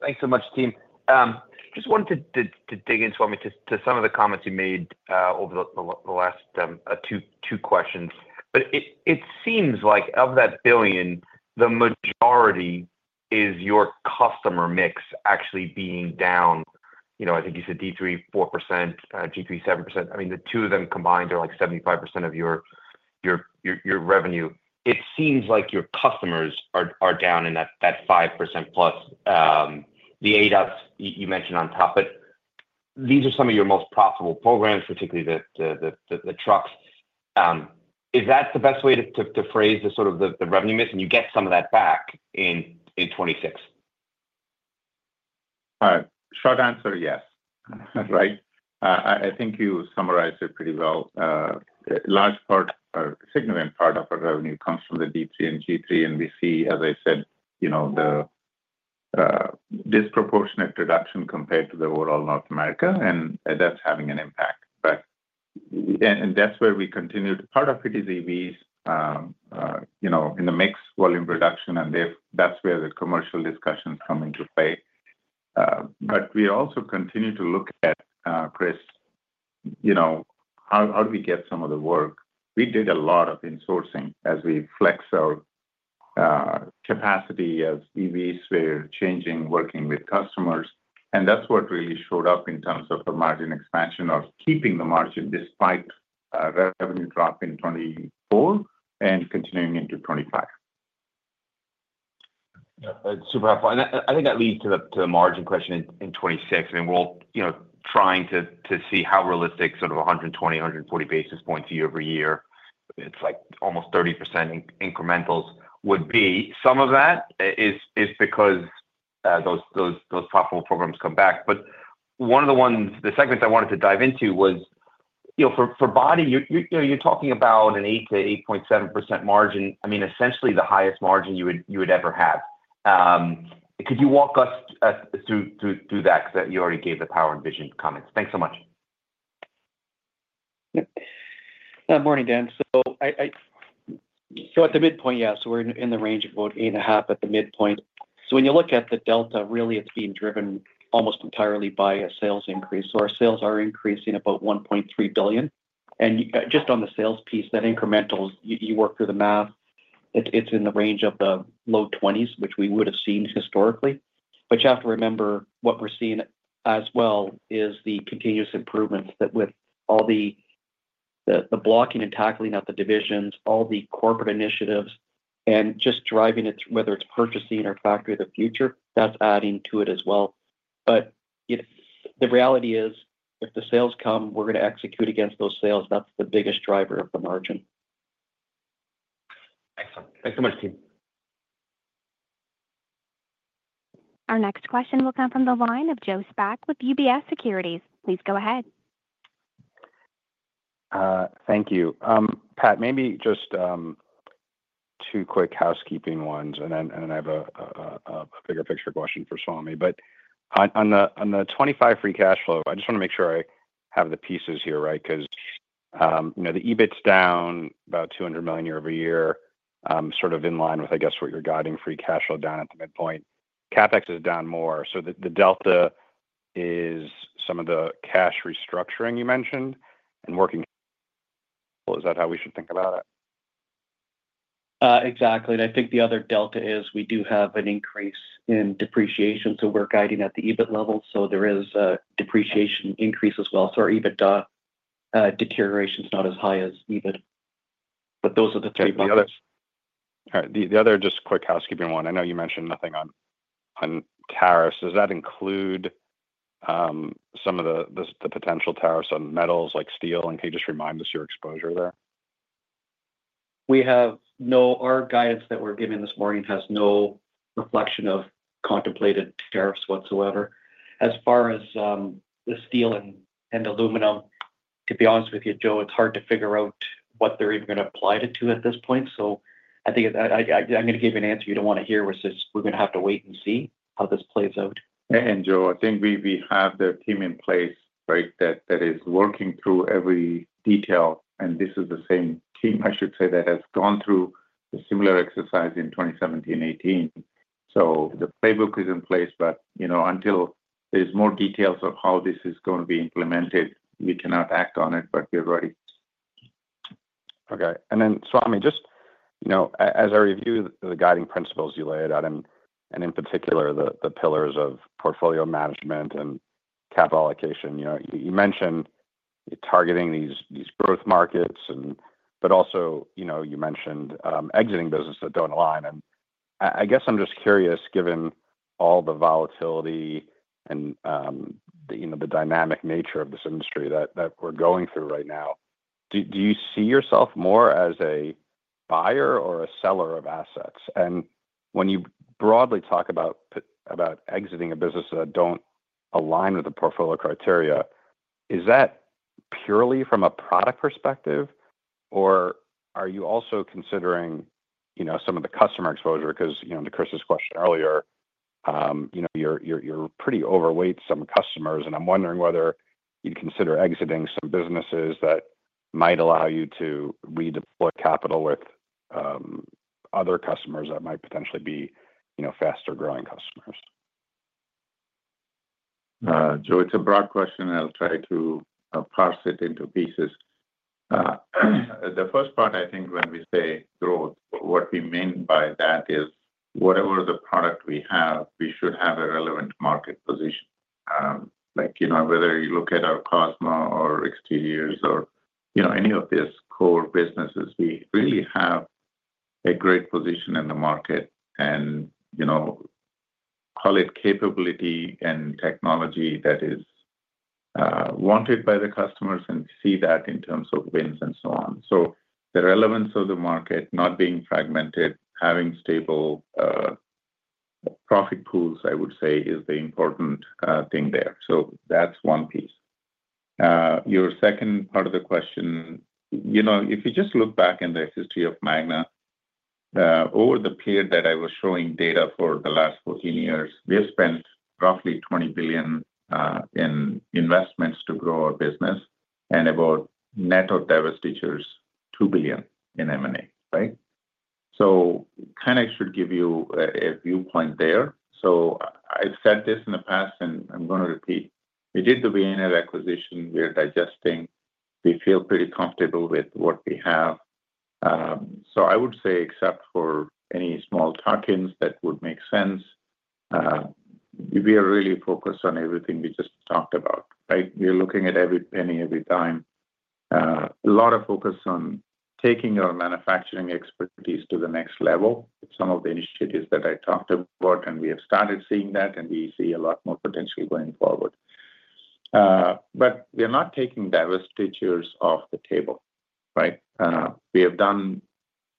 go ahead. Thanks so much, team. Just wanted to dig in, Swami, to some of the comments you made over the last two questions, but it seems like of that $1 billion, the majority is your customer mix actually being down. I think you said D3 4%, G3 7%. I mean, the two of them combined are like 75% of your revenue. It seems like your customers are down in that 5% plus, the ADAS you mentioned on top, but these are some of your most profitable programs, particularly the trucks. Is that the best way to phrase the sort of the revenue mix, and you get some of that back in 2026. All right. Short answer, yes. Right? I think you summarized it pretty well. A large part, a significant part of our revenue comes from the D3 and G3. And we see, as I said, the disproportionate reduction compared to the overall North America. And that's having an impact. And that's where we continue. Part of it is EVs in the mix volume reduction, and that's where the commercial discussions come into play. But we also continue to look at, Chris, how do we get some of the work? We did a lot of insourcing as we flex our capacity as EVs. We're changing, working with customers. And that's what really showed up in terms of the margin expansion or keeping the margin despite a revenue drop in 2024 and continuing into 2025. That's super helpful. And I think that leads to the margin question in 2026. I mean, we're all trying to see how realistic sort of 120-140 basis points year-over-year, it's like almost 30% incrementals would be. Some of that is because those profitable programs come back. But one of the ones, the segments I wanted to dive into was for body, you're talking about an 8-8.7% margin. I mean, essentially the highest margin you would ever have. Could you walk us through that? Because you already gave the power and vision comments. Thanks so much. Good morning, Dan. So at the midpoint, yeah, so we're in the range of about 8.5% at the midpoint. So when you look at the delta, really, it's being driven almost entirely by a sales increase. So our sales are increasing about $1.3 billion. And just on the sales piece, that incremental, you work through the math, it's in the range of the low 20s%, which we would have seen historically. But you have to remember what we're seeing as well is the continuous improvements with all the blocking and tackling of the divisions, all the corporate initiatives, and just driving it, whether it's purchasing or Factory of the Future, that's adding to it as well. But the reality is, if the sales come, we're going to execute against those sales. That's the biggest driver of the margin. Excellent. Thanks so much, team. Our next question will come from the line of Joe Spak with UBS Securities. Please go ahead. Thank you. Pat, maybe just two quick housekeeping ones. And then I have a bigger picture question for Swamy. But on the 2025 free cash flow, I just want to make sure I have the pieces here, right? Because the EBIT's down about $200 million year-over-year, sort of in line with, I guess, what you're guiding free cash flow down at the midpoint. CapEx is down more. So the delta is some of the cash restructuring you mentioned and working. Is that how we should think about it? Exactly. And I think the other delta is we do have an increase in depreciation. So we're guiding at the EBIT level. So there is a depreciation increase as well. So our EBIT deterioration is not as high as EBIT. But those are the three margins. All right. The other just quick housekeeping one. I know you mentioned nothing on tariffs. Does that include some of the potential tariffs on metals like steel? And can you just remind us your exposure there? We have no guidance that we're giving this morning has no reflection of contemplated tariffs whatsoever. As far as the steel and aluminum, to be honest with you, Joe, it's hard to figure out what they're even going to apply it to at this point, so I think I'm going to give you an answer you don't want to hear, which is we're going to have to wait and see how this plays out. Joe, I think we have the team in place, right, that is working through every detail. This is the same team, I should say, that has gone through a similar exercise in 2017, 2018. The playbook is in place. Until there's more details of how this is going to be implemented, we cannot act on it, but we're ready. Okay. And then Swamy, just as I review the guiding principles you lay out, and in particular, the pillars of portfolio management and capital allocation, you mentioned targeting these growth markets, but also you mentioned exiting businesses that don't align. And I guess I'm just curious, given all the volatility and the dynamic nature of this industry that we're going through right now, do you see yourself more as a buyer or a seller of assets? And when you broadly talk about exiting a business that don't align with the portfolio criteria, is that purely from a product perspective, or are you also considering some of the customer exposure? Because to Chris's question earlier, you're pretty overweight some customers. And I'm wondering whether you'd consider exiting some businesses that might allow you to redeploy capital with other customers that might potentially be faster-growing customers. Joe, it's a broad question, and I'll try to parse it into pieces. The first part, I think when we say growth, what we mean by that is whatever the product we have, we should have a relevant market position. Whether you look at our Cosma or Exteriors or any of these core businesses, we really have a great position in the market and call it capability and technology that is wanted by the customers. And we see that in terms of wins and so on. So the relevance of the market, not being fragmented, having stable profit pools, I would say, is the important thing there. So that's one piece. Your second part of the question, if you just look back in the history of Magna, over the period that I was showing data for the last 14 years, we have spent roughly $20 billion in investments to grow our business and about net of divestitures, $2 billion in M&A, right? So kind of should give you a viewpoint there. So I've said this in the past, and I'm going to repeat. We did the Veoneer acquisition. We're digesting. We feel pretty comfortable with what we have. So I would say, except for any small tuck-ins that would make sense, we are really focused on everything we just talked about, right? We are looking at every penny, every dime. A lot of focus on taking our manufacturing expertise to the next level. Some of the initiatives that I talked about, and we have started seeing that, and we see a lot more potential going forward. But we are not taking divestitures off the table, right? We have done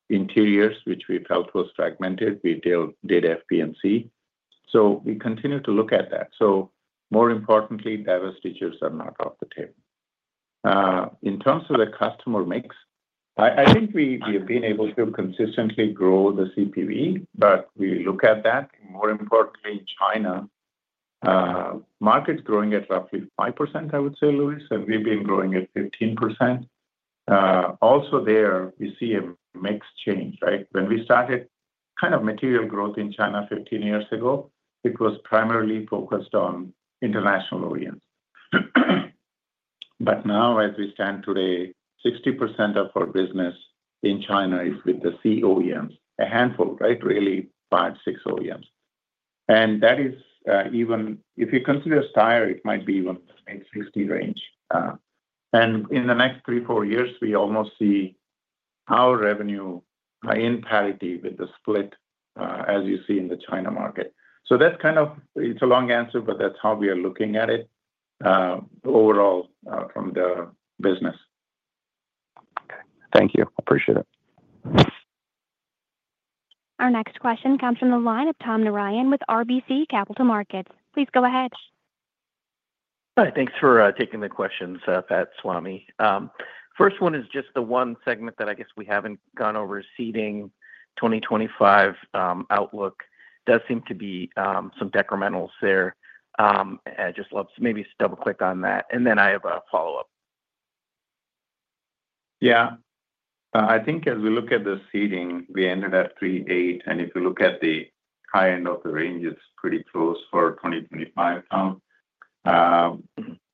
interiors, which we felt was fragmented. We did FP&C. So we continue to look at that. So more importantly, divestitures are not off the table. In terms of the customer mix, I think we have been able to consistently grow the CPV, but we look at that. More importantly, China market's growing at roughly 5%, I would say, Louis. And we've been growing at 15%. Also there, we see a mix change, right? When we started kind of material growth in China 15 years ago, it was primarily focused on international OEMs. But now, as we stand today, 60% of our business in China is with the Chinese OEMs, a handful, right? Really, five, six OEMs. And that is even if you consider Steyr, it might be even mid 60 range. And in the next three, four years, we almost see our revenue in parity with the split, as you see in the China market. So that's kind of it's a long answer, but that's how we are looking at it overall from the business. Okay. Thank you. Appreciate it. Our next question comes from the line of Tom Narayan with RBC Capital Markets. Please go ahead. All right. Thanks for taking the questions, Pat, Swamy. First one is just the one segment that I guess we haven't gone over: Seating, 2025 outlook. Does seem to be some decrementals there. I just love to maybe double-click on that. And then I have a follow-up. Yeah. I think as we look at the Seating, we ended at 3.8. And if you look at the high end of the range, it's pretty close for 2025. Operationally,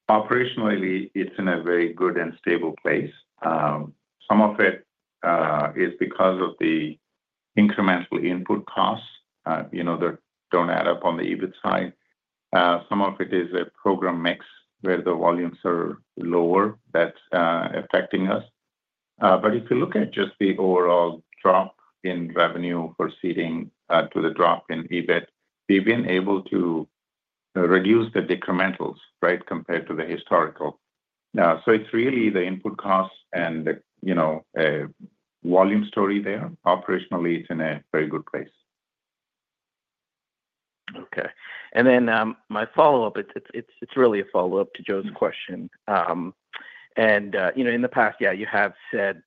it's in a very good and stable place. Some of it is because of the incremental input costs that don't add up on the EBIT side. Some of it is a program mix where the volumes are lower that's affecting us. But if you look at just the overall drop in revenue for Seating to the drop in EBIT, we've been able to reduce the decrementals, right, compared to the historical. So it's really the input costs and the volume story there. Operationally, it's in a very good place. Okay. And then my follow-up, it's really a follow-up to Joe's question. And in the past, yeah, you have said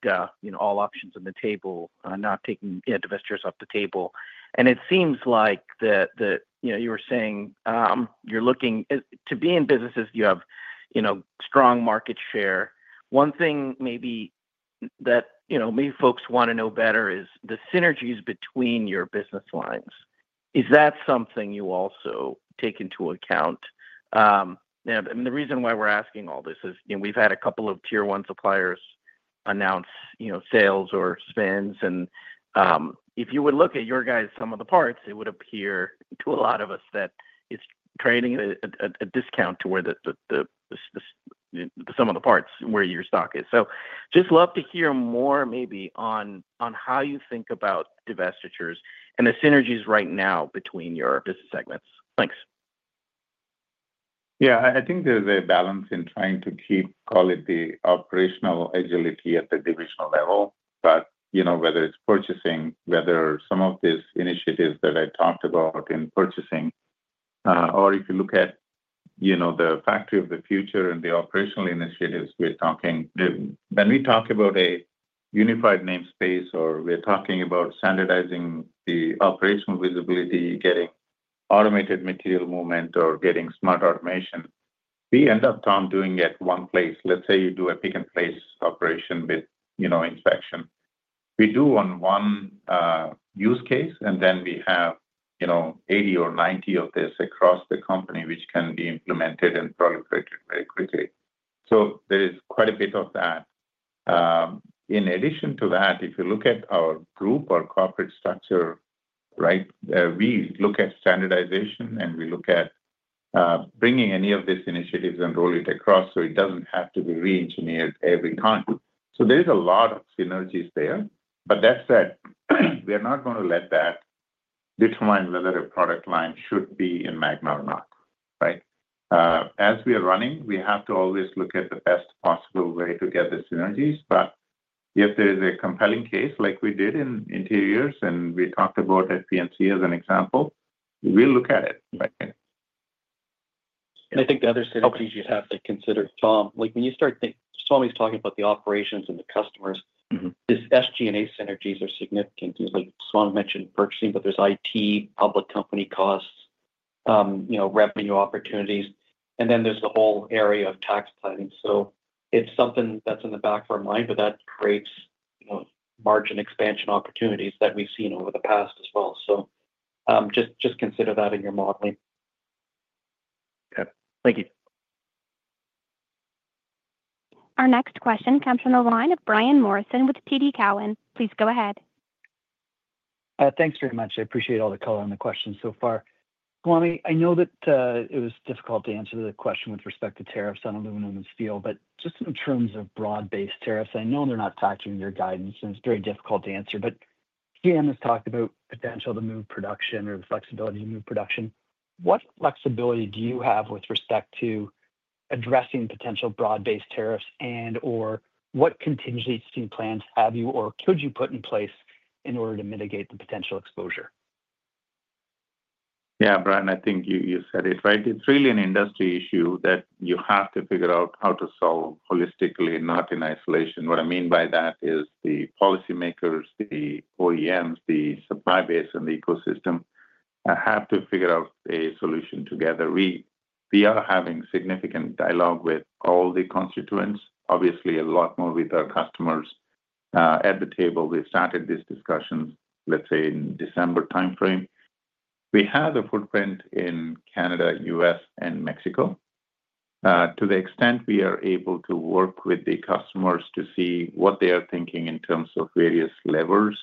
all options on the table, not taking investors off the table. And it seems like you were saying you're looking to be in businesses you have strong market share. One thing maybe that maybe folks want to know better is the synergies between your business lines. Is that something you also take into account? And the reason why we're asking all this is we've had a couple of Tier 1 suppliers announce sales or spins. And if you would look at your guys, sum of the parts, it would appear to a lot of us that it's trading at a discount to where sum of the parts where your stock is. Just love to hear more, maybe, on how you think about divestitures and the synergies right now between your business segments. Thanks. Yeah. I think there's a balance in trying to keep, call it the operational agility at the divisional level. But whether it's purchasing, whether some of these initiatives that I talked about in purchasing, or if you look at the Factory of the Future and the operational initiatives we're talking, when we talk about a unified namespace or we're talking about standardizing the operational visibility, getting automated material movement, or getting smart automation, we end up, Tom, doing it one place. Let's say you do a pick and place operation with inspection. We do on one use case, and then we have 80 or 90 of this across the company, which can be implemented and proliferated very quickly. So there is quite a bit of that. In addition to that, if you look at our group or corporate structure, right, we look at standardization, and we look at bringing any of these initiatives and roll it across so it doesn't have to be re-engineered every time. So there is a lot of synergies there. But that said, we are not going to let that determine whether a product line should be in Magna or not, right? As we are running, we have to always look at the best possible way to get the synergies. But if there is a compelling case like we did in interiors and we talked about FP&C as an example, we'll look at it, right? And I think the other synergies you'd have to consider, Tom, when you start thinking Swami's talking about the operations and the customers, these SG&A synergies are significant. Swami mentioned purchasing, but there's IT, public company costs, revenue opportunities. And then there's the whole area of tax planning. So it's something that's in the back of our mind, but that creates margin expansion opportunities that we've seen over the past as well. So just consider that in your modeling. Okay. Thank you. Our next question comes from the line of Brian Morrison with TD Cowen. Please go ahead. Thanks very much. I appreciate all the color on the questions so far. Swami, I know that it was difficult to answer the question with respect to tariffs on aluminum and steel, but just in terms of broad-based tariffs, I know they're not touching your guidance, and it's very difficult to answer. But GM has talked about potential to move production or the flexibility to move production. What flexibility do you have with respect to addressing potential broad-based tariffs? And/or what contingency plans have you or could you put in place in order to mitigate the potential exposure? Yeah, Brian, I think you said it, right? It's really an industry issue that you have to figure out how to solve holistically, not in isolation. What I mean by that is the policymakers, the OEMs, the supply base, and the ecosystem have to figure out a solution together. We are having significant dialogue with all the constituents, obviously a lot more with our customers at the table. We started these discussions, let's say, in December timeframe. We have a footprint in Canada, U.S., and Mexico. To the extent we are able to work with the customers to see what they are thinking in terms of various levers,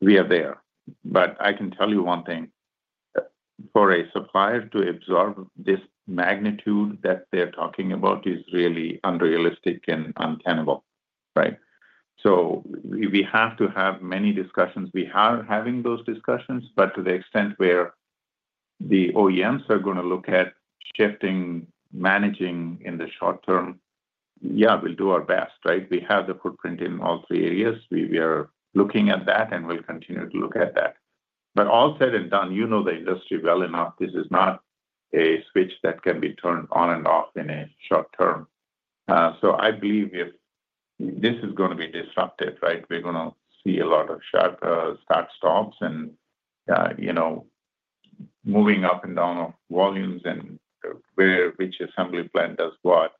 we are there. But I can tell you one thing. For a supplier to absorb this magnitude that they're talking about is really unrealistic and untenable, right? So we have to have many discussions. We are having those discussions, but to the extent where the OEMs are going to look at shifting manufacturing in the short term, yeah, we'll do our best, right? We have the footprint in all three areas. We are looking at that, and we'll continue to look at that. But all said and done, you know the industry well enough. This is not a switch that can be turned on and off in a short term. So I believe if this is going to be disruptive, right, we're going to see a lot of start-stops and moving up and down of volumes and where which assembly plant does what.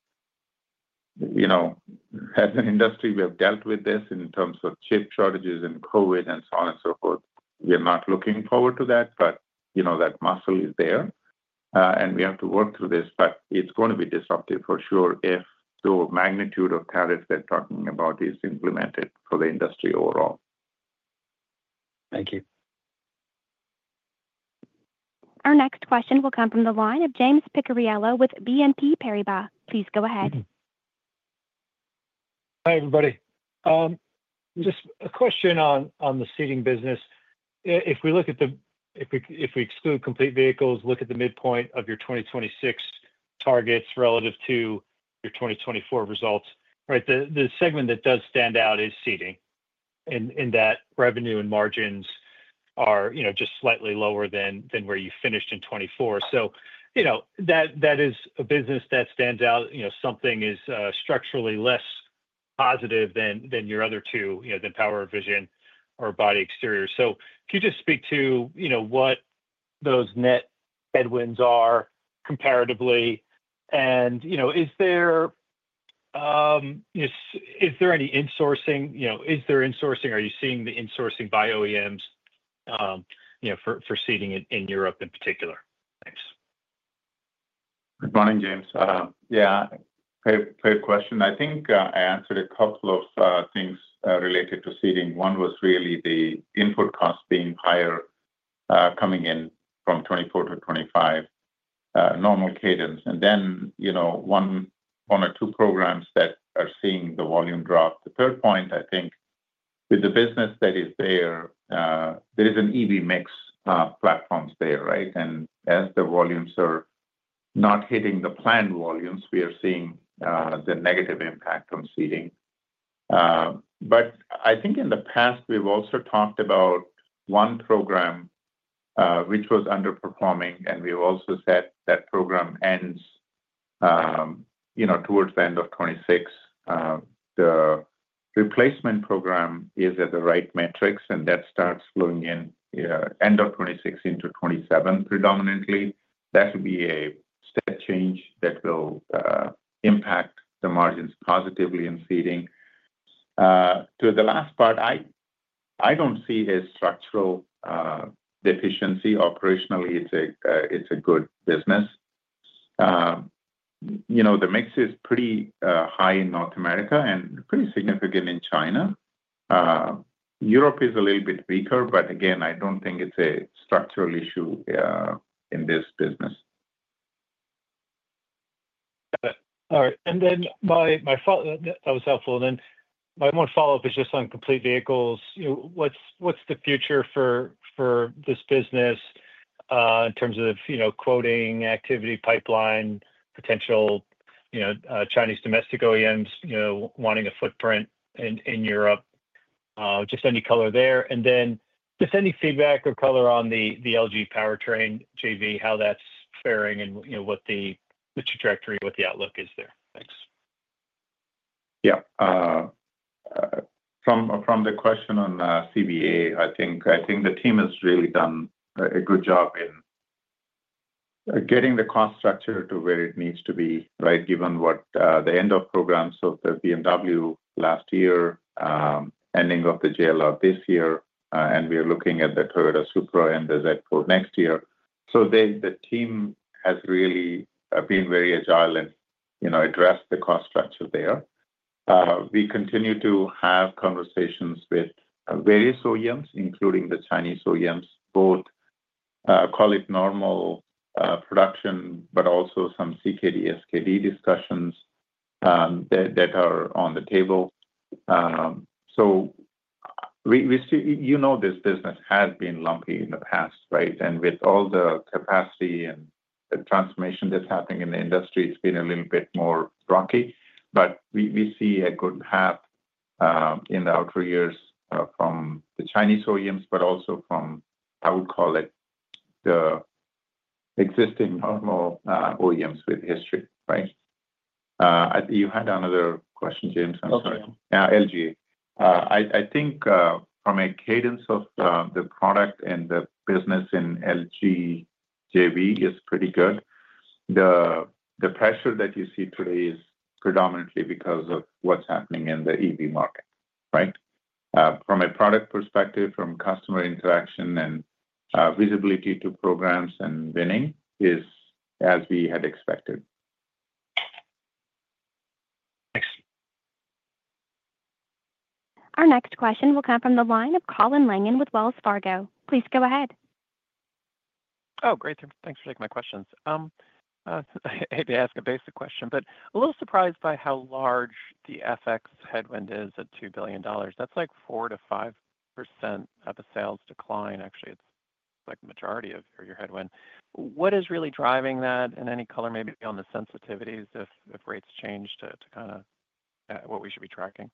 As an industry, we have dealt with this in terms of chip shortages and COVID and so on and so forth. We are not looking forward to that, but that muscle is there. And we have to work through this. But it's going to be disruptive for sure if the magnitude of tariffs they're talking about is implemented for the industry overall. Thank you. Our next question will come from the line of James Picariello with BNP Paribas. Please go ahead. Hi, everybody. Just a question on the Seating business. If we look at, if we exclude Complete Vehicles, look at the midpoint of your 2026 targets relative to your 2024 results, right, the segment that does stand out is Seating in that revenue and margins are just slightly lower than where you finished in 2024. So that is a business that stands out. Something is structurally less positive than your other two, Power & Vision or Body Exteriors. So can you just speak to what those net headwinds are comparatively? And is there any insourcing? Is there insourcing? Are you seeing the insourcing by OEMs for Seating in Europe in particular? Thanks. Good morning, James. Yeah, great question. I think I answered a couple of things related to Seating. One was really the input costs being higher coming in from 2024 to 2025, normal cadence, and then one or two programs that are seeing the volume drop. The third point, I think, with the business that is there, there is an EV mix platform there, right, and as the volumes are not hitting the planned volumes, we are seeing the negative impact on Seating, but I think in the past, we've also talked about one program which was underperforming, and we've also said that program ends towards the end of 2026. The replacement program is at the right metrics, and that starts flowing in end of 2026 into 2027 predominantly. That will be a step change that will impact the margins positively in Seating. To the last part, I don't see a structural deficiency. Operationally, it's a good business. The mix is pretty high in North America and pretty significant in China. Europe is a little bit weaker, but again, I don't think it's a structural issue in this business. Got it. All right. And then my follow-up, that was helpful. And then my one follow-up is just on Complete Vehicles. What's the future for this business in terms of quoting activity, pipeline, potential Chinese domestic OEMs wanting a footprint in Europe? Just any color there. And then just any feedback or color on the LG Powertrain JV, how that's faring and what the trajectory, what the outlook is there. Thanks. Yeah. From the question on CVA, I think the team has really done a good job in getting the cost structure to where it needs to be, right, given the end of programs. So the BMW last year, ending of the JLR this year, and we are looking at the Toyota Supra and the Z4 next year. So the team has really been very agile and addressed the cost structure there. We continue to have conversations with various OEMs, including the Chinese OEMs, both, call it normal production, but also some CKD, SKD discussions that are on the table. So you know this business has been lumpy in the past, right? And with all the capacity and the transformation that's happening in the industry, it's been a little bit more rocky. But we see a good path in the outer years from the Chinese OEMs, but also from, I would call it, the existing normal OEMs with history, right? You had another question, James. I'm sorry. Oh, yeah. Yeah, LG. I think from a cadence of the product and the business in LG JV is pretty good. The pressure that you see today is predominantly because of what's happening in the EV market, right? From a product perspective, from customer interaction and visibility to programs and winning is as we had expected. Thanks. Our next question will come from the line of Colin Langan with Wells Fargo. Please go ahead. Oh, great. Thanks for taking my questions. Hate to ask a basic question, but a little surprised by how large the FX headwind is at $2 billion. That's like 4%-5% of a sales decline. Actually, it's like the majority of your headwind. What is really driving that? And any color maybe on the sensitivities if rates change to kind of what we should be tracking?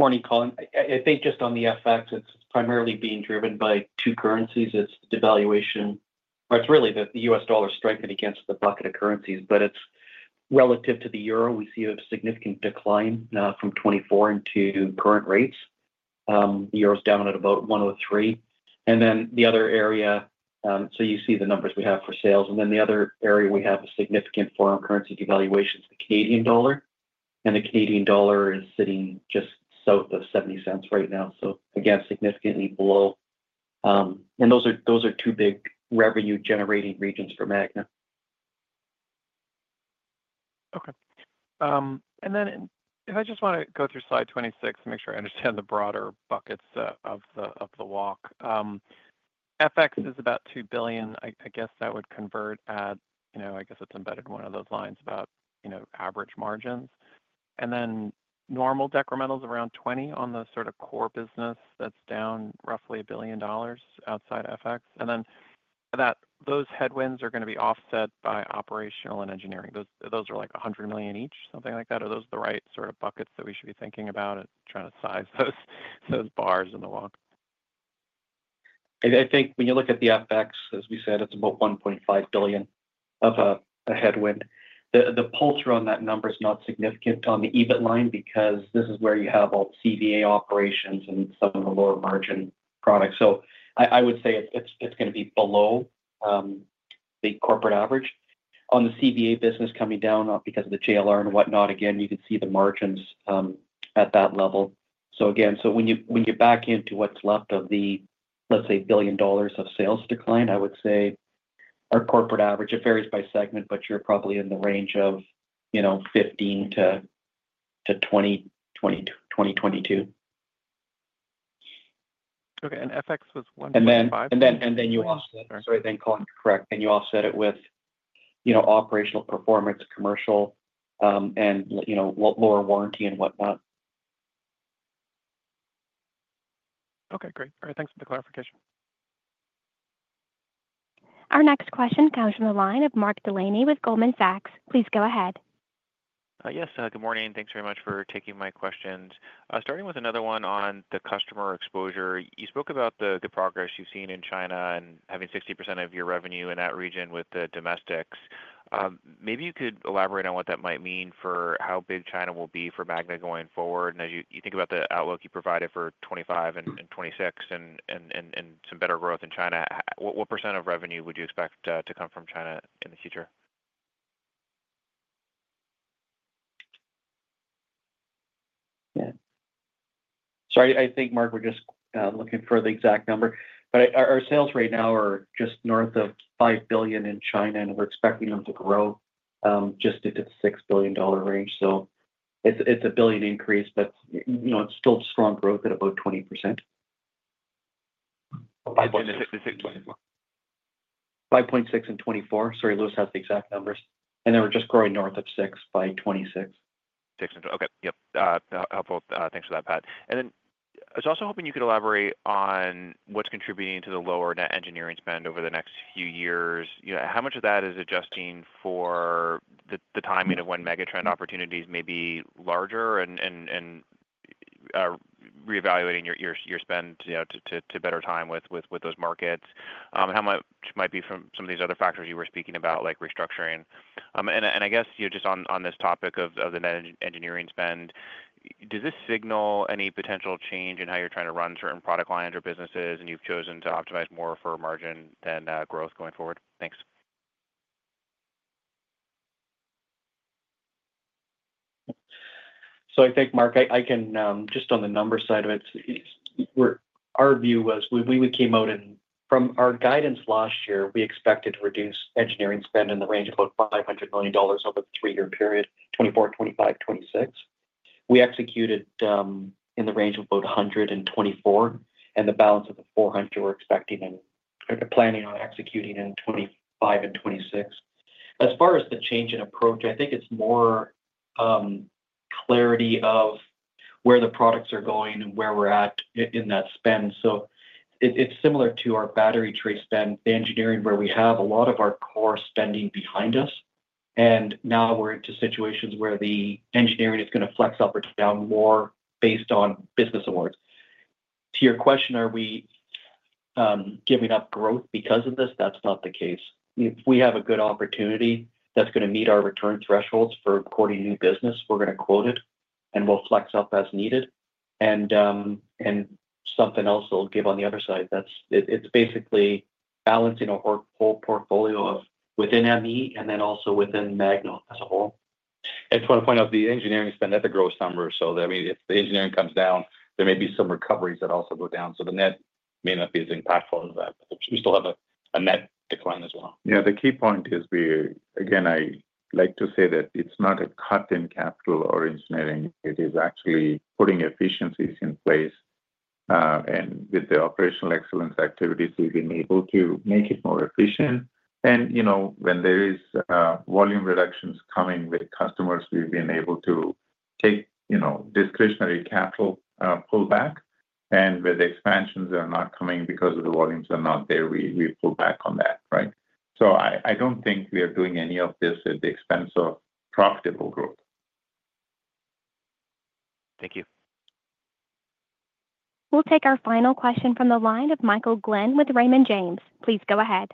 Morning, Colin. I think just on the FX, it's primarily being driven by two currencies. It's devaluation, or it's really the U.S. dollar strengthened against the bucket of currencies, but it's relative to the euro. We see a significant decline from 2024 into current rates. The euro's down at about 1.03. And then the other area, so you see the numbers we have for sales. And then the other area we have a significant foreign currency devaluation is the Canadian dollar. And the Canadian dollar is sitting just south of 0.70 right now. So again, significantly below. And those are two big revenue-generating regions for Magna. Okay. And then if I just want to go through slide 26 and make sure I understand the broader buckets of the walk. FX is about $2 billion. I guess that would convert at, I guess it's embedded in one of those lines about average margins. And then normal decremental is around 20 on the sort of core business that's down roughly $1 billion outside FX. And then those headwinds are going to be offset by operational and engineering. Those are like $100 million each, something like that. Are those the right sort of buckets that we should be thinking about and trying to size those bars in the walk? I think when you look at the FX, as we said, it's about $1.5 billion of a headwind. The pull-through on that number is not significant on the EBIT line because this is where you have all the CVA operations and some of the lower margin products. So I would say it's going to be below the corporate average. On the CVA business coming down because of the JLR and whatnot, again, you can see the margins at that level. So again, so when you back into what's left of the, let's say, $1 billion of sales decline, I would say our corporate average, it varies by segment, but you're probably in the range of 15% to 20%. Okay. FX was $1.5 billion. And then you offset it. Sorry, then call it, correct. Then you offset it with operational performance, commercial, and lower warranty and whatnot. Okay. Great. All right. Thanks for the clarification. Our next question comes from the line of Mark Delaney with Goldman Sachs. Please go ahead. Yes. Good morning. Thanks very much for taking my questions. Starting with another one on the customer exposure. You spoke about the progress you've seen in China and having 60% of your revenue in that region with the domestics. Maybe you could elaborate on what that might mean for how big China will be for Magna going forward. And as you think about the outlook you provided for 2025 and 2026 and some better growth in China, what percent of revenue would you expect to come from China in the future? Yeah. Sorry. I think, Mark, we're just looking for the exact number. But our sales right now are just north of $5 billion in China, and we're expecting them to grow just into the $6 billion range. So it's a $1 billion increase, but it's still strong growth at about 20%. 5.6 in 2024. 5.6 in 2024. Sorry, Louis has the exact numbers, and they were just growing north of six by 2026. Six in. Okay. Yep. Helpful. Thanks for that, Pat. And then I was also hoping you could elaborate on what's contributing to the lower net engineering spend over the next few years. How much of that is adjusting for the timing of when megatrend opportunities may be larger and reevaluating your spend to better time with those markets? How much might be from some of these other factors you were speaking about, like restructuring? And I guess just on this topic of the net engineering spend, does this signal any potential change in how you're trying to run certain product lines or businesses, and you've chosen to optimize more for margin than growth going forward? Thanks. So I think, Mark, I can just on the number side of it, our view was when we came out and from our guidance last year, we expected to reduce engineering spend in the range of about $500 million over the three-year period, 2024, 2025, 2026. We executed in the range of about $124 million, and the balance of the $400 million we're expecting and planning on executing in 2025 and 2026. As far as the change in approach, I think it's more clarity of where the products are going and where we're at in that spend. So it's similar to our battery tray spend, the engineering where we have a lot of our core spending behind us. And now we're into situations where the engineering is going to flex up or down more based on business awards. To your question, are we giving up growth because of this? That's not the case. If we have a good opportunity that's going to meet our return thresholds for quoting new business, we're going to quote it and we'll flex up as needed. And something else they'll give on the other side, it's basically balancing a whole portfolio within ME and then also within Magna as a whole. I just want to point out the engineering spend, that's a growth item. So I mean, if the engineering comes down, there may be some recoveries that also go down. So the net may not be as impactful as that, but we still have a net decline as well. Yeah. The key point is, again, I like to say that it's not a cut in capital or engineering. It is actually putting efficiencies in place. And with the operational excellence activities, we've been able to make it more efficient. And when there are volume reductions coming with customers, we've been able to take discretionary capital pullback. And when the expansions are not coming because the volumes are not there, we pull back on that, right? So I don't think we are doing any of this at the expense of profitable growth. Thank you. We'll take our final question from the line of Michael Glen with Raymond James. Please go ahead.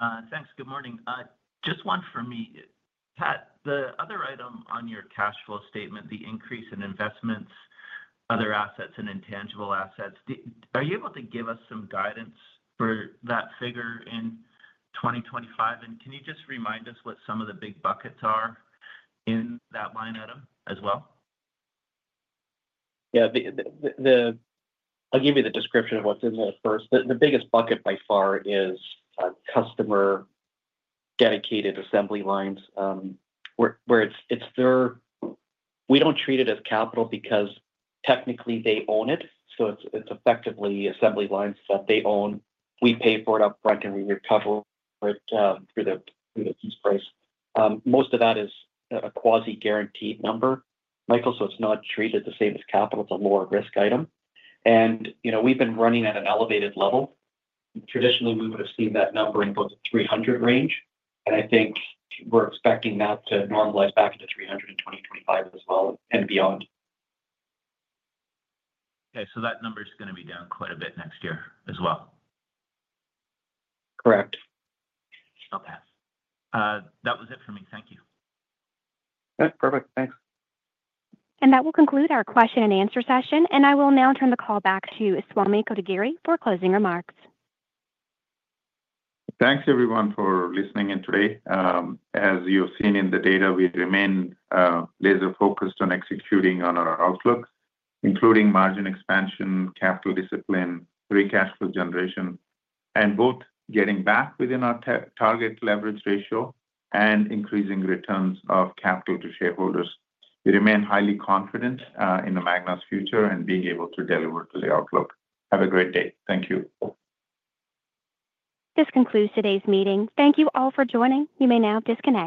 Oh, thanks. Good morning. Just one for me. Pat, the other item on your cash flow statement, the increase in investments, other assets, and intangible assets, are you able to give us some guidance for that figure in 2025? And can you just remind us what some of the big buckets are in that line item as well? Yeah. I'll give you the description of what's in there first. The biggest bucket by far is customer dedicated assembly lines where we don't treat it as capital because technically they own it. So it's effectively assembly lines that they own. We pay for it upfront, and we recover it through the piece price. Most of that is a quasi-guaranteed number, Michael, so it's not treated the same as capital. It's a lower risk item. And we've been running at an elevated level. Traditionally, we would have seen that number in both the 300 range. And I think we're expecting that to normalize back into 300 in 2025 as well and beyond. Okay, so that number is going to be down quite a bit next year as well. Correct. Okay. That was it for me. Thank you. Okay. Perfect. Thanks. That will conclude our question and answer session. I will now turn the call back to Swami Kotagiri for closing remarks. Thanks, everyone, for listening in today. As you've seen in the data, we remain laser-focused on executing on our outlook, including margin expansion, capital discipline, free cash flow generation, and both getting back within our target leverage ratio and increasing returns of capital to shareholders. We remain highly confident in Magna's future and being able to deliver to the outlook. Have a great day. Thank you. This concludes today's meeting. Thank you all for joining. You may now disconnect.